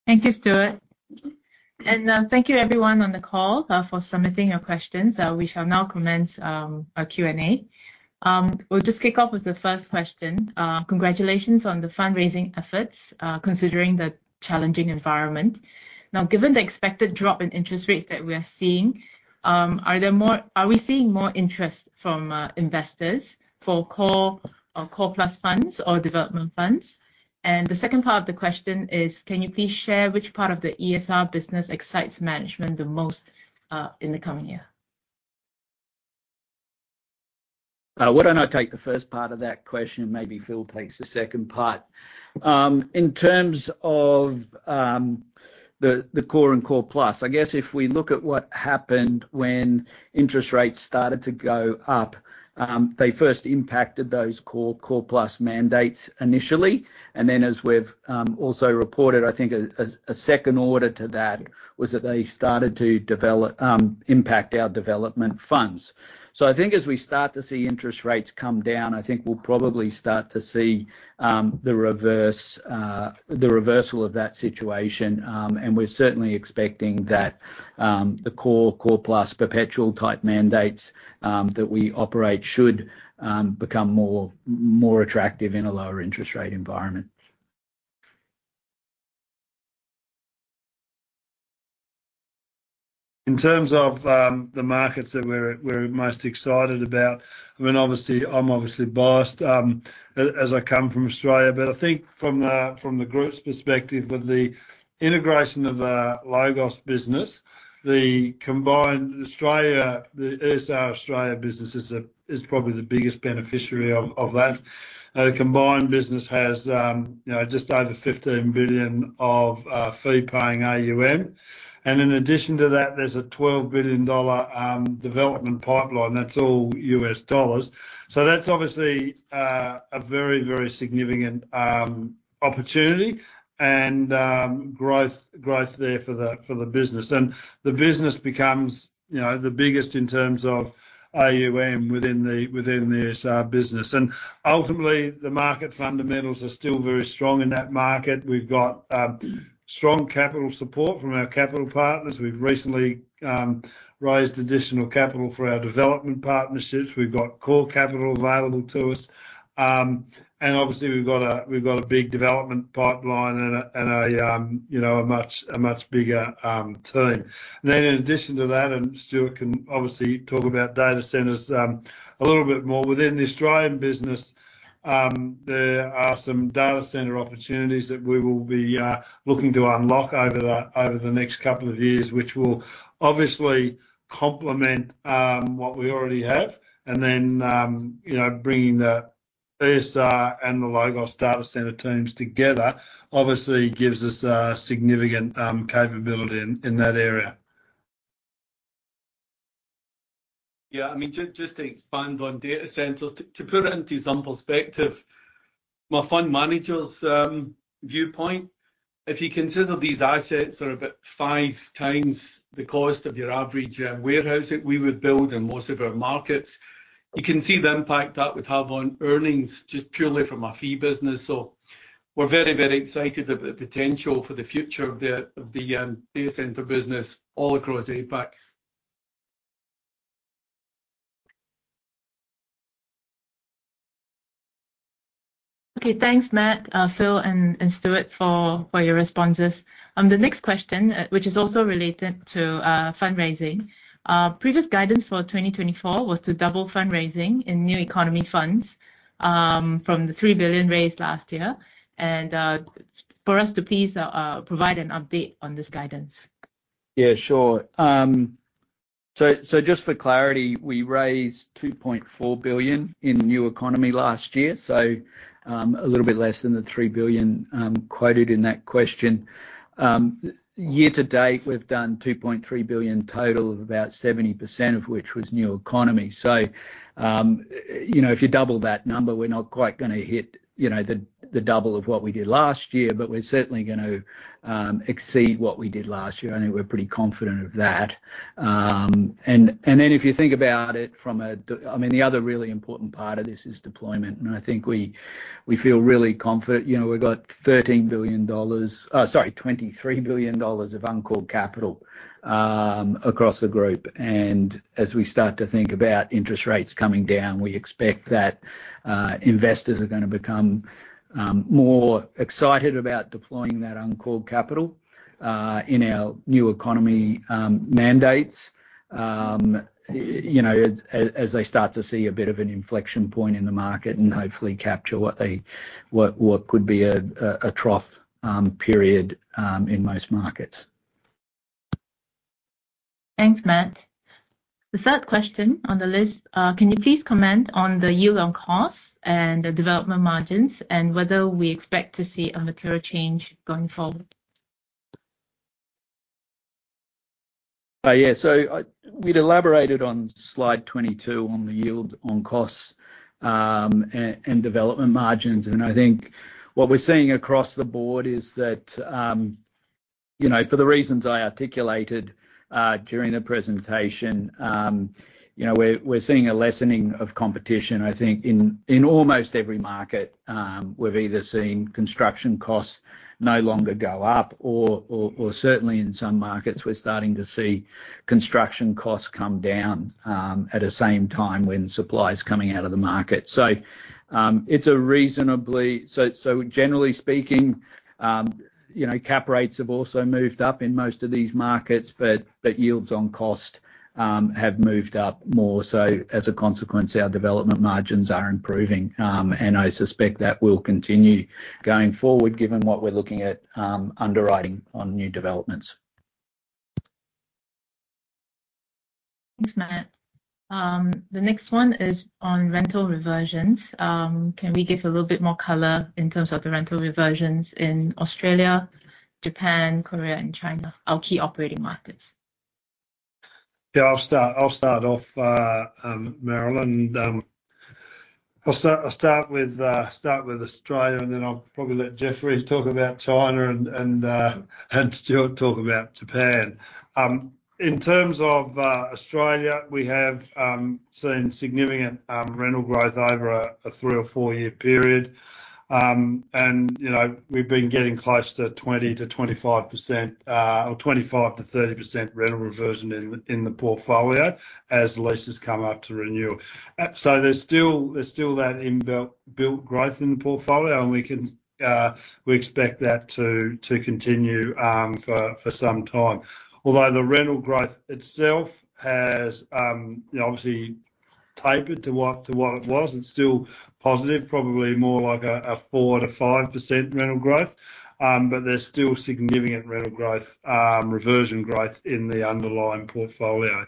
Thank you, Stuart, and thank you everyone on the call for submitting your questions. We shall now commence our Q&A. We'll just kick off with the first question. Congratulations on the fundraising efforts, considering the challenging environment. Now, given the expected drop in interest rates that we are seeing, are we seeing more interest from investors for core or core plus funds or development funds? And the second part of the question is, can you please share which part of the ESR business excites management the most, in the coming year? Why don't I take the first part of that question, and maybe Phil takes the second part. In terms of the core and core plus, I guess if we look at what happened when interest rates started to go up, they first impacted those core plus mandates initially, and then, as we've also reported, I think a second order to that was that they started to develop impact our development funds. So I think as we start to see interest rates come down, I think we'll probably start to see the reversal of that situation. We're certainly expecting that the core plus perpetual type mandates that we operate should become more attractive in a lower interest rate environment. In terms of the markets that we're most excited about, I mean, obviously, I'm obviously biased, as I come from Australia, but I think from the group's perspective, with the integration of the LOGOS business, the combined Australia, the ESR Australia business is probably the biggest beneficiary of that. The combined business has, you know, just over $15 billion of fee-paying AUM, and in addition to that, there's a $12 billion development pipeline, that's all US dollars. So that's obviously a very, very significant opportunity and growth there for the business, and the business becomes, you know, the biggest in terms of AUM within the ESR business, and ultimately, the market fundamentals are still very strong in that market. We've got strong capital support from our capital partners. We've recently raised additional capital for our development partnerships. We've got core capital available to us. And obviously we've got a big development pipeline and a, you know, a much bigger team. Then in addition to that, and Stuart can obviously talk about data centers a little bit more, within the Australian business, there are some data center opportunities that we will be looking to unlock over the next couple of years, which will obviously complement what we already have. And then, you know, bringing the ESR and the LOGOS data center teams together obviously gives us a significant capability in that area. Yeah, I mean, just to expand on data centers, to put it into some perspective, my fund manager's viewpoint, if you consider these assets are about five times the cost of your average warehouse that we would build in most of our markets, you can see the impact that would have on earnings, just purely from a fee business. So we're very, very excited about the potential for the future of the data center business all across APAC. Okay. Thanks, Matt, Phil, and Stuart, for your responses. The next question, which is also related to fundraising. Previous guidance for 2024 was to double fundraising in new economy funds, from the $3 billion raised last year, and for us to please provide an update on this guidance. Yeah, sure. So just for clarity, we raised $2.4 billion in new economy last year, so a little bit less than the $3 billion quoted in that question. Year to date, we've done $2.3 billion total, of about 70% of which was new economy. So you know, if you double that number, we're not quite gonna hit you know, the double of what we did last year, but we're certainly gonna exceed what we did last year, I think we're pretty confident of that. And then if you think about it from a I mean, the other really important part of this is deployment, and I think we feel really confident. You know, we've got $13 billion, sorry, $23 billion of uncalled capital across the group. As we start to think about interest rates coming down, we expect that investors are gonna become more excited about deploying that uncalled capital in our new economy mandates. You know, as they start to see a bit of an inflection point in the market and hopefully capture what could be a trough period in most markets. Thanks, Matt. The third question on the list. Can you please comment on the yield on costs and the development margins, and whether we expect to see a material change going forward? Yeah. So we'd elaborated on slide 22 on the yield on costs and development margins. And I think what we're seeing across the board is that, you know, for the reasons I articulated during the presentation, you know, we're seeing a lessening of competition. I think in almost every market, we've either seen construction costs no longer go up, or certainly in some markets, we're starting to see construction costs come down at the same time when supply is coming out of the market. Generally speaking, you know, cap rates have also moved up in most of these markets, but yields on cost have moved up more. So as a consequence, our development margins are improving. And I suspect that will continue going forward, given what we're looking at, underwriting on new developments. Thanks, Matt. The next one is on rental reversions. Can we give a little bit more color in terms of the rental reversions in Australia, Japan, Korea, and China, our key operating markets? Yeah, I'll start off, Marilyn. I'll start with Australia, and then I'll probably let Jeffrey talk about China and Stuart talk about Japan. In terms of Australia, we have seen significant rental growth over a three- or four-year period. And, you know, we've been getting close to 20-25% or 25-30% rental reversion in the portfolio as leases come up to renewal. So there's still that built growth in the portfolio, and we expect that to continue for some time. Although the rental growth itself has, you know, obviously tapered to what it was. It's still positive, probably more like a 4-5% rental growth, but there's still significant rental growth, reversion growth in the underlying portfolio.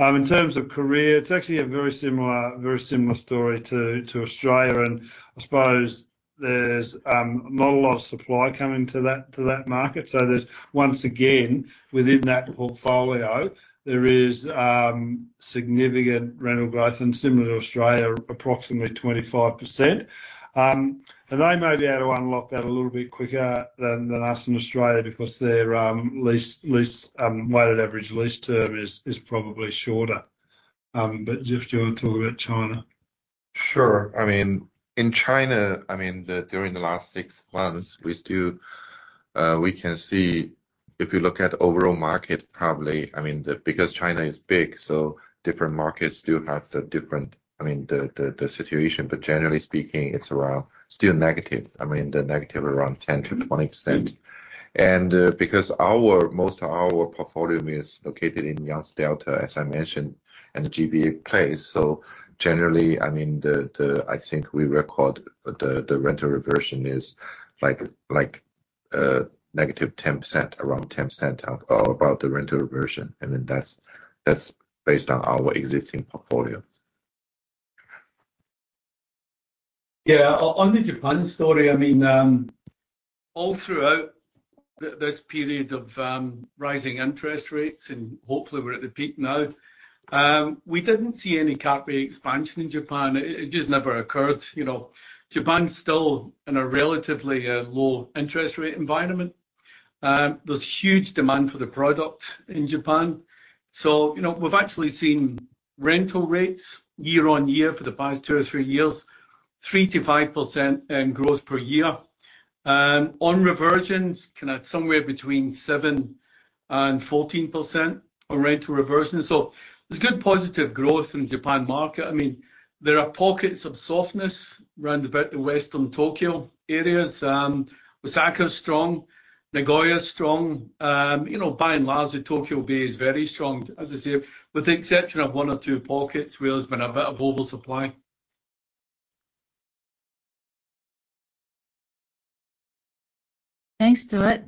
In terms of Korea, it's actually a very similar story to Australia, and I suppose there's not a lot of supply coming to that market. So there's once again, within that portfolio, there is significant rental growth, and similar to Australia, approximately 25%. And they may be able to unlock that a little bit quicker than us in Australia because their lease weighted average lease term is probably shorter. But Jeff, do you want to talk about China? Sure. I mean, in China, I mean, the during the last six months, we still we can see if you look at overall market, probably, I mean, the because China is big, so different markets do have the different, I mean, the situation, but generally speaking, it's around still negative. I mean, the negative around 10%-20%. And because our most of our portfolio is located in Yangtze River Delta, as I mentioned, and the GBA plays, so generally, I mean, the I think we record the rental reversion is like negative 10%, around 10% about the rental reversion, and then that's based on our existing portfolio. Yeah. On the Japan story, I mean, all throughout this period of rising interest rates, and hopefully we're at the peak now, we didn't see any cap rate expansion in Japan. It just never occurred. You know, Japan's still in a relatively low interest rate environment. There's huge demand for the product in Japan. So, you know, we've actually seen rental rates year on year for the past two or three years, 3-5% in growth per year. On reversions, kind of somewhere between 7-14% on rental reversions. So there's good positive growth in Japan market. I mean, there are pockets of softness around about the Western Tokyo areas. Osaka is strong, Nagoya is strong. You know, by and large, Tokyo Bay is very strong, as I say, with the exception of one or two pockets where there's been a bit of oversupply.... Thanks, Stuart.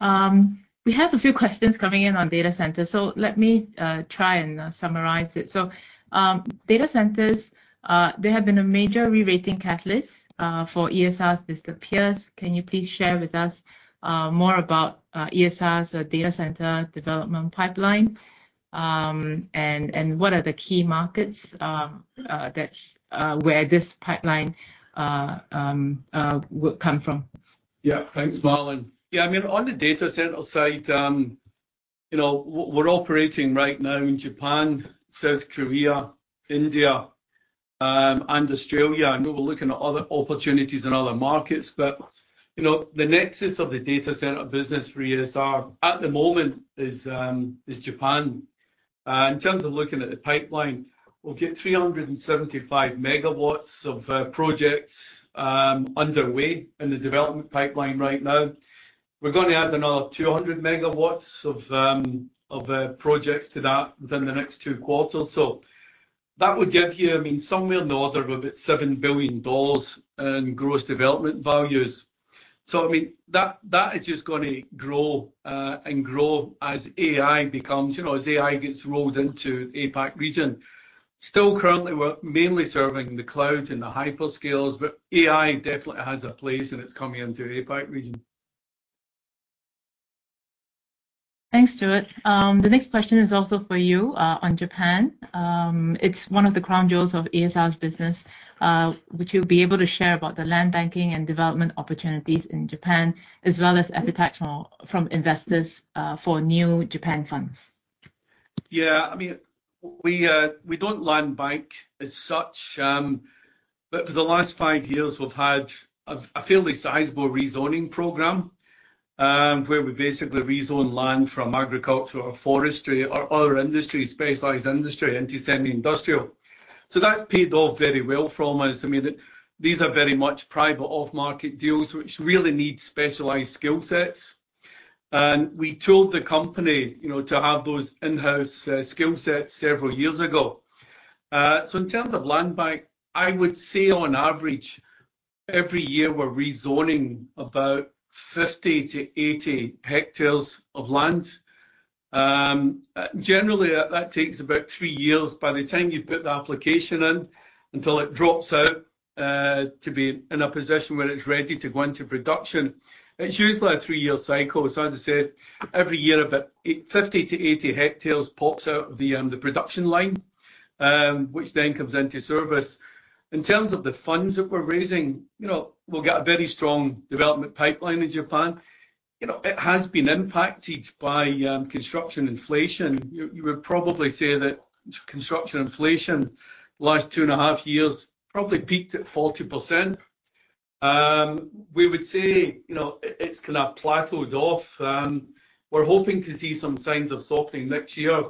We have a few questions coming in on data centers, so let me try and summarize it. So, data centers, they have been a major rerating catalyst for ESR since the peers. Can you please share with us more about ESR's data center development pipeline? And what are the key markets that's where this pipeline will come from? Yeah. Thanks, Marilyn. Yeah, I mean, on the data center side, you know, we're operating right now in Japan, South Korea, India, and Australia, and we're looking at other opportunities in other markets. But, you know, the nexus of the data center business for ESR at the moment is Japan. In terms of looking at the pipeline, we've got 375 megawatts of projects underway in the development pipeline right now. We're gonna add another 200 megawatts of projects to that within the next two quarters. So that would give you, I mean, somewhere in the order of about $7 billion in gross development values. So, I mean, that is just gonna grow and grow as AI becomes, you know, as AI gets rolled into APAC region. Still, currently, we're mainly serving the cloud and the hyperscalers, but AI definitely has a place, and it's coming into APAC region. Thanks, Stuart. The next question is also for you, on Japan. It's one of the crown jewels of ESR's business. Would you be able to share about the land banking and development opportunities in Japan, as well as appetite from investors, for new Japan funds? Yeah, I mean, we don't land bank as such, but for the last five years, we've had a fairly sizable rezoning program, where we basically rezone land from agriculture or forestry or other industries, specialized industry into semi-industrial, so that's paid off very well for us. I mean, these are very much private off-market deals, which really need specialized skill sets, and we told the company, you know, to have those in-house skill sets several years ago, so in terms of land bank, I would say, on average, every year, we're rezoning about 50-80 hectares of land. Generally, that takes about three years. By the time you put the application in, until it drops out, to be in a position where it's ready to go into production, it's usually a three-year cycle. So as I said, every year, about fifty to eighty hectares pops out of the production line, which then comes into service. In terms of the funds that we're raising, you know, we've got a very strong development pipeline in Japan. You know, it has been impacted by construction inflation. You would probably say that construction inflation, last two and a half years, probably peaked at 40%. We would say, you know, it's kind of plateaued off. We're hoping to see some signs of softening next year,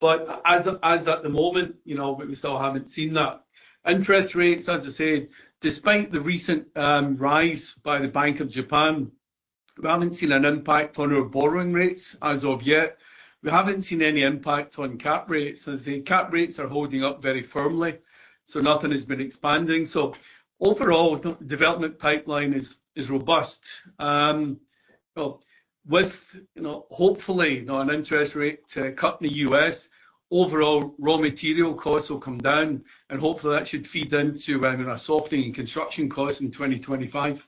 but as at the moment, you know, we still haven't seen that. Interest rates, as I said, despite the recent rise by the Bank of Japan, we haven't seen an impact on our borrowing rates as of yet. We haven't seen any impact on cap rates. As I say, cap rates are holding up very firmly, so nothing has been expanding, so overall, the development pipeline is robust. With you know, hopefully, now an interest rate cut in the U.S., overall raw material costs will come down, and hopefully, that should feed into a softening in construction costs in twenty twenty-five.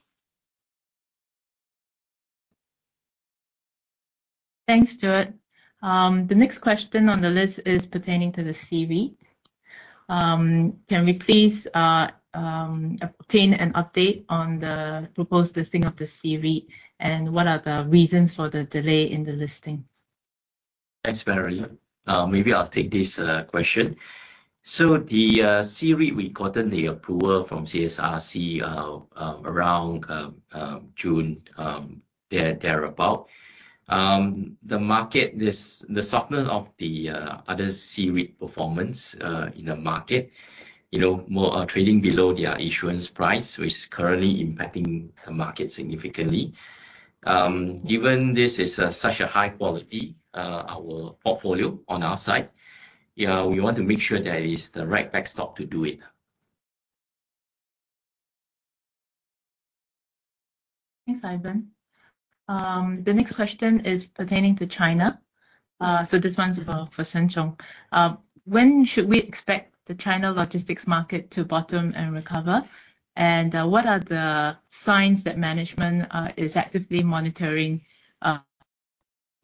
Thanks, Stuart. The next question on the list is pertaining to the C-REIT. Can we please obtain an update on the proposed listing of the C-REIT, and what are the reasons for the delay in the listing? Thanks, Marilyn. Maybe I'll take this question. So the C-REIT, we've gotten the approval from CSRC around June thereabout. The market. The softness of the other C-REIT performance in the market, you know, more are trading below their issuance price, which is currently impacting the market significantly. Even this is such a high quality our portfolio on our side, we want to make sure that it is the right backstop to do it. Thanks, Ivan. The next question is pertaining to China. So, this one's for Jeffrey Shen. When should we expect the China logistics market to bottom and recover? And what are the signs that management is actively monitoring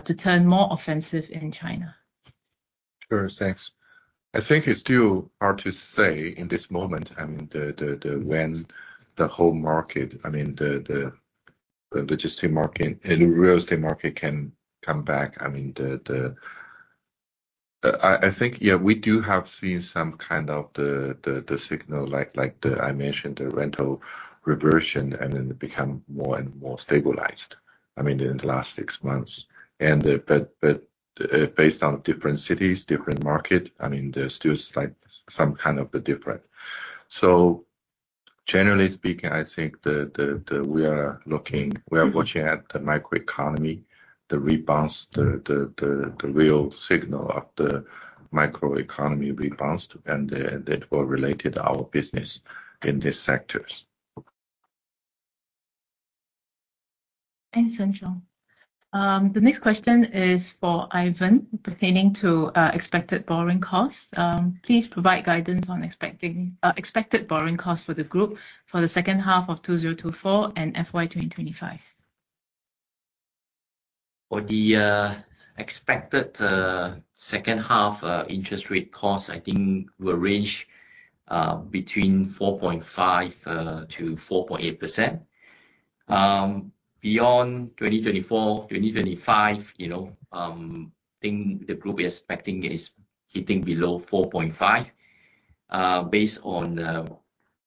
to turn more offensive in China? Sure. Thanks. I think it's still hard to say in this moment, I mean, when the whole market, I mean, the logistic market and the real estate market can come back. I mean, we do have seen some kind of signal, like, like the I mentioned, the rental reversion, and then it became more and more stabilized, I mean, in the last six months. But based on different cities, different market, I mean, there's still slight, some kind of the different. So generally speaking, I think we are looking, we are watching at the macroeconomy, the rebounds, the real signal of the macroeconomy rebounds and that will relate our business in these sectors. Thanks, Shen. The next question is for Ivan, pertaining to expected borrowing costs. Please provide guidance on expected borrowing costs for the group for the second half of 2024 and FY 2025. For the expected second half interest rate costs, I think will range between 4.5% to 4.8%. Beyond 2024, 2025, you know, think the group is expecting is hitting below 4.5%. Based on,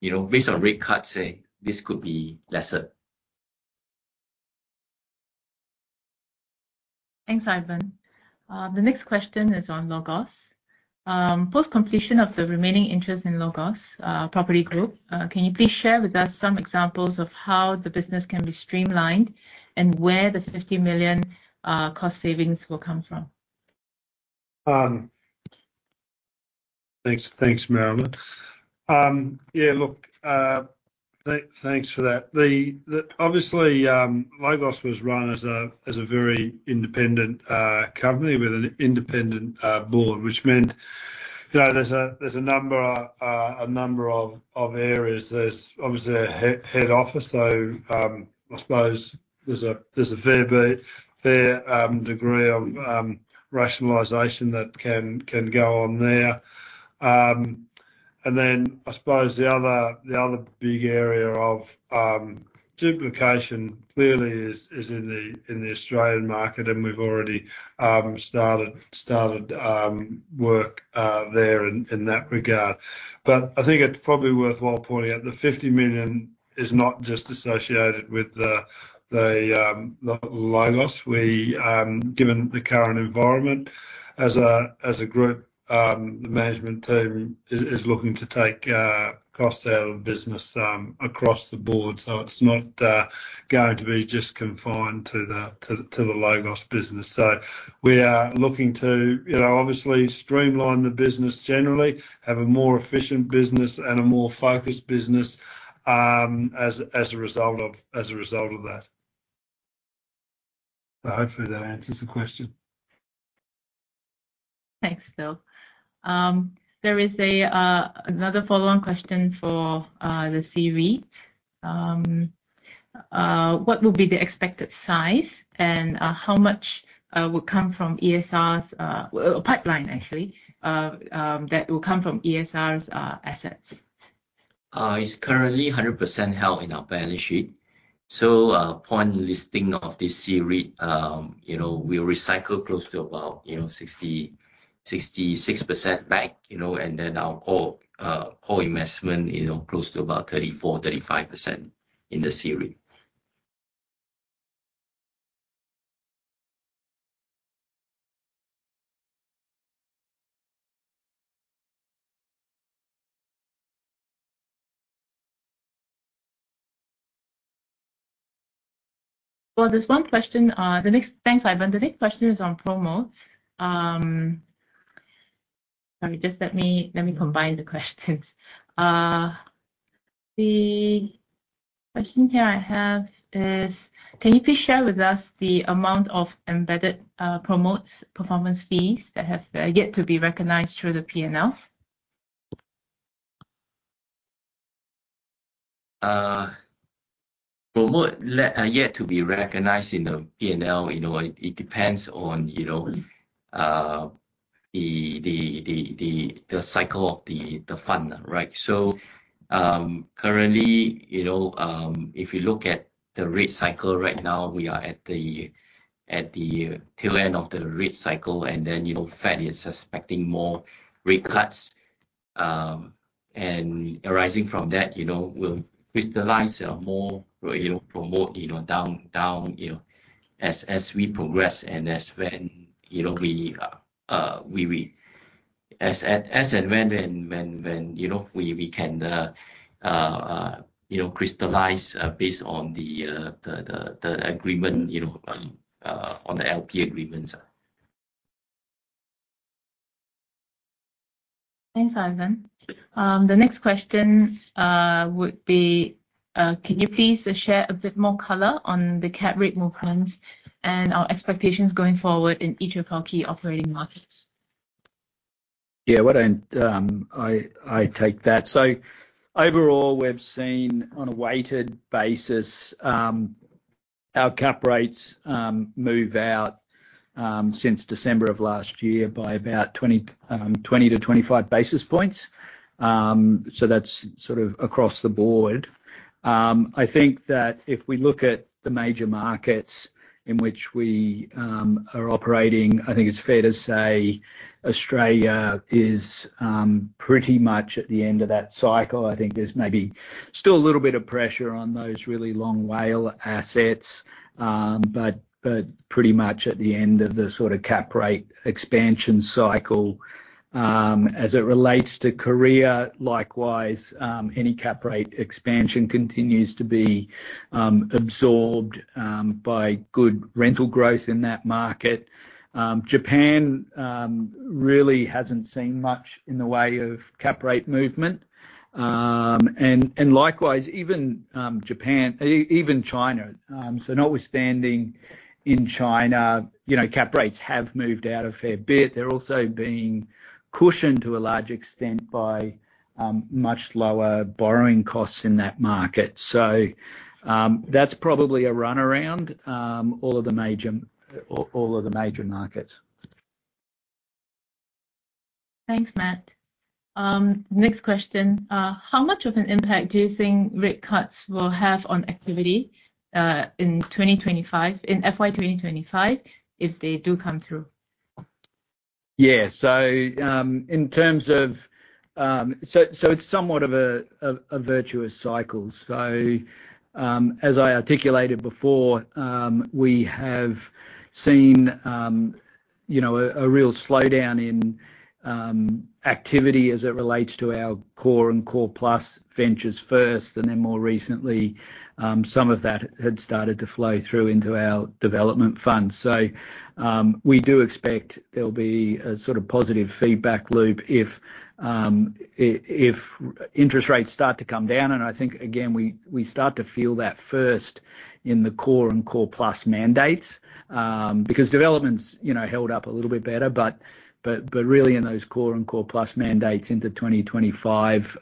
you know, based on rate cuts, say, this could be lesser. Thanks, Ivan. The next question is on LOGOS. Post-completion of the remaining interest in LOGOS Property Group, can you please share with us some examples of how the business can be streamlined, and where the 50 million cost savings will come from? Thanks, thanks, Marilyn. Yeah, look, thanks for that. Obviously, LOGOS was run as a very independent company with an independent board, which meant, you know, there's a number of areas. There's obviously a head office, so I suppose there's a fair degree of rationalization that can go on there. And then I suppose the other big area of duplication clearly is in the Australian market, and we've already started work there in that regard. But I think it's probably worthwhile pointing out the 50 million is not just associated with the LOGOS. We, given the current environment, as a group, the management team is looking to take costs out of business, across the board. So it's not going to be just confined to the LOGOS business. So we are looking to, you know, obviously streamline the business generally, have a more efficient business, and a more focused business, as a result of that. So hopefully that answers the question. Thanks, Phil. There is another follow-on question for the C-REIT. What will be the expected size and how much will come from ESR's pipeline actually that will come from ESR's assets? It's currently 100% held in our balance sheet, so, upon listing of this C-REIT, you know, we recycle close to about, you know, 66% back, you know, and then our core, core investment, you know, close to about 34-35% in the C-REIT. There's one question, the next. Thanks, Ivan. The next question is on promotes. Sorry, just let me combine the questions. The question here I have is: Can you please share with us the amount of embedded, promotes performance fees that have yet to be recognized through the P&L? Promote yet to be recognized in the P&L, you know, it depends on, you know, the cycle of the fund, right? So, currently, you know, if you look at the rate cycle, right now, we are at the tail end of the rate cycle, and then, you know, Fed is expecting more rate cuts. And arising from that, you know, we'll crystallize more, you know, promote, you know, down, down, you know, as we progress and as when, you know, we, we. As, as and when, you know, we can, you know, crystallize based on the agreement, you know, on the LP agreements. Thanks, Ivan. The next question would be: can you please share a bit more color on the cap rate movements and our expectations going forward in each of our key operating markets? Yeah, why don't I take that. So overall, we've seen on a weighted basis our cap rates move out since December of last year by about 20-25 basis points. So that's sort of across the board. I think that if we look at the major markets in which we are operating, I think it's fair to say Australia is pretty much at the end of that cycle. I think there's maybe still a little bit of pressure on those really long WALE assets. But pretty much at the end of the sort of cap rate expansion cycle. As it relates to Korea, likewise, any cap rate expansion continues to be absorbed by good rental growth in that market. Japan really hasn't seen much in the way of cap rate movement. And likewise, even China. So notwithstanding in China, you know, cap rates have moved out a fair bit. They're also being cushioned to a large extent by much lower borrowing costs in that market. So, that's probably a rundown on all of the major markets. Thanks, Matt. Next question. How much of an impact do you think rate cuts will have on activity in twenty twenty-five, in FY twenty twenty-five, if they do come through? Yeah. So, it's somewhat of a virtuous cycle. So, as I articulated before, we have seen, you know, a real slowdown in activity as it relates to our core and core plus ventures first, and then more recently, some of that had started to flow through into our development funds. So, we do expect there'll be a sort of positive feedback loop if interest rates start to come down. And I think, again, we start to feel that first in the core and core plus mandates, because developments, you know, held up a little bit better. Really, in those core and core plus mandates into twenty twenty-five,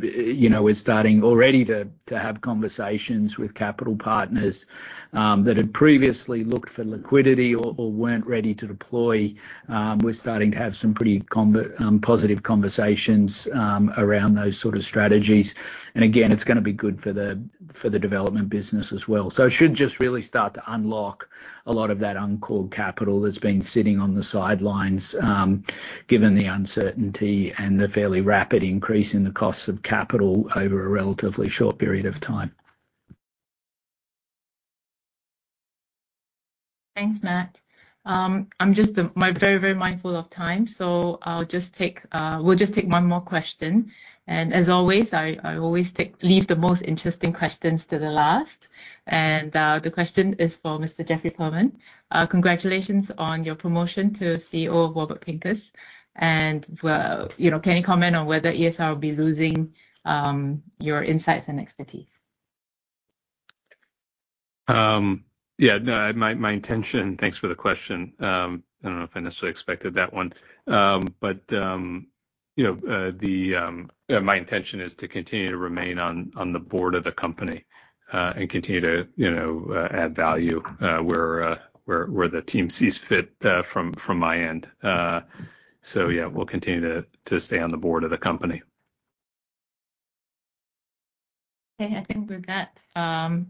you know, we're starting already to have conversations with capital partners that had previously looked for liquidity or weren't ready to deploy. We're starting to have some pretty positive conversations around those sort of strategies. Again, it's gonna be good for the development business as well. It should just really start to unlock a lot of that uncalled capital that's been sitting on the sidelines, given the uncertainty and the fairly rapid increase in the cost of capital over a relatively short period of time. Thanks, Matt. I'm just my very, very mindful of time, so I'll just take... We'll just take one more question. As always, I always leave the most interesting questions to the last. The question is for Mr. Jeffrey Perlman. Congratulations on your promotion to CEO of Warburg Pincus, and, well, you know, can you comment on whether ESR will be losing your insights and expertise? Yeah, no, my intention. Thanks for the question. I don't know if I necessarily expected that one. But you know, my intention is to continue to remain on the board of the company and continue to, you know, add value where the team sees fit from my end. So yeah, we'll continue to stay on the board of the company. Okay, I think with that,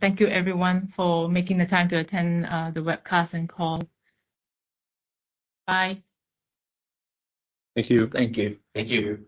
thank you everyone for making the time to attend, the webcast and call. Bye. Thank you. Thank you. Thank you.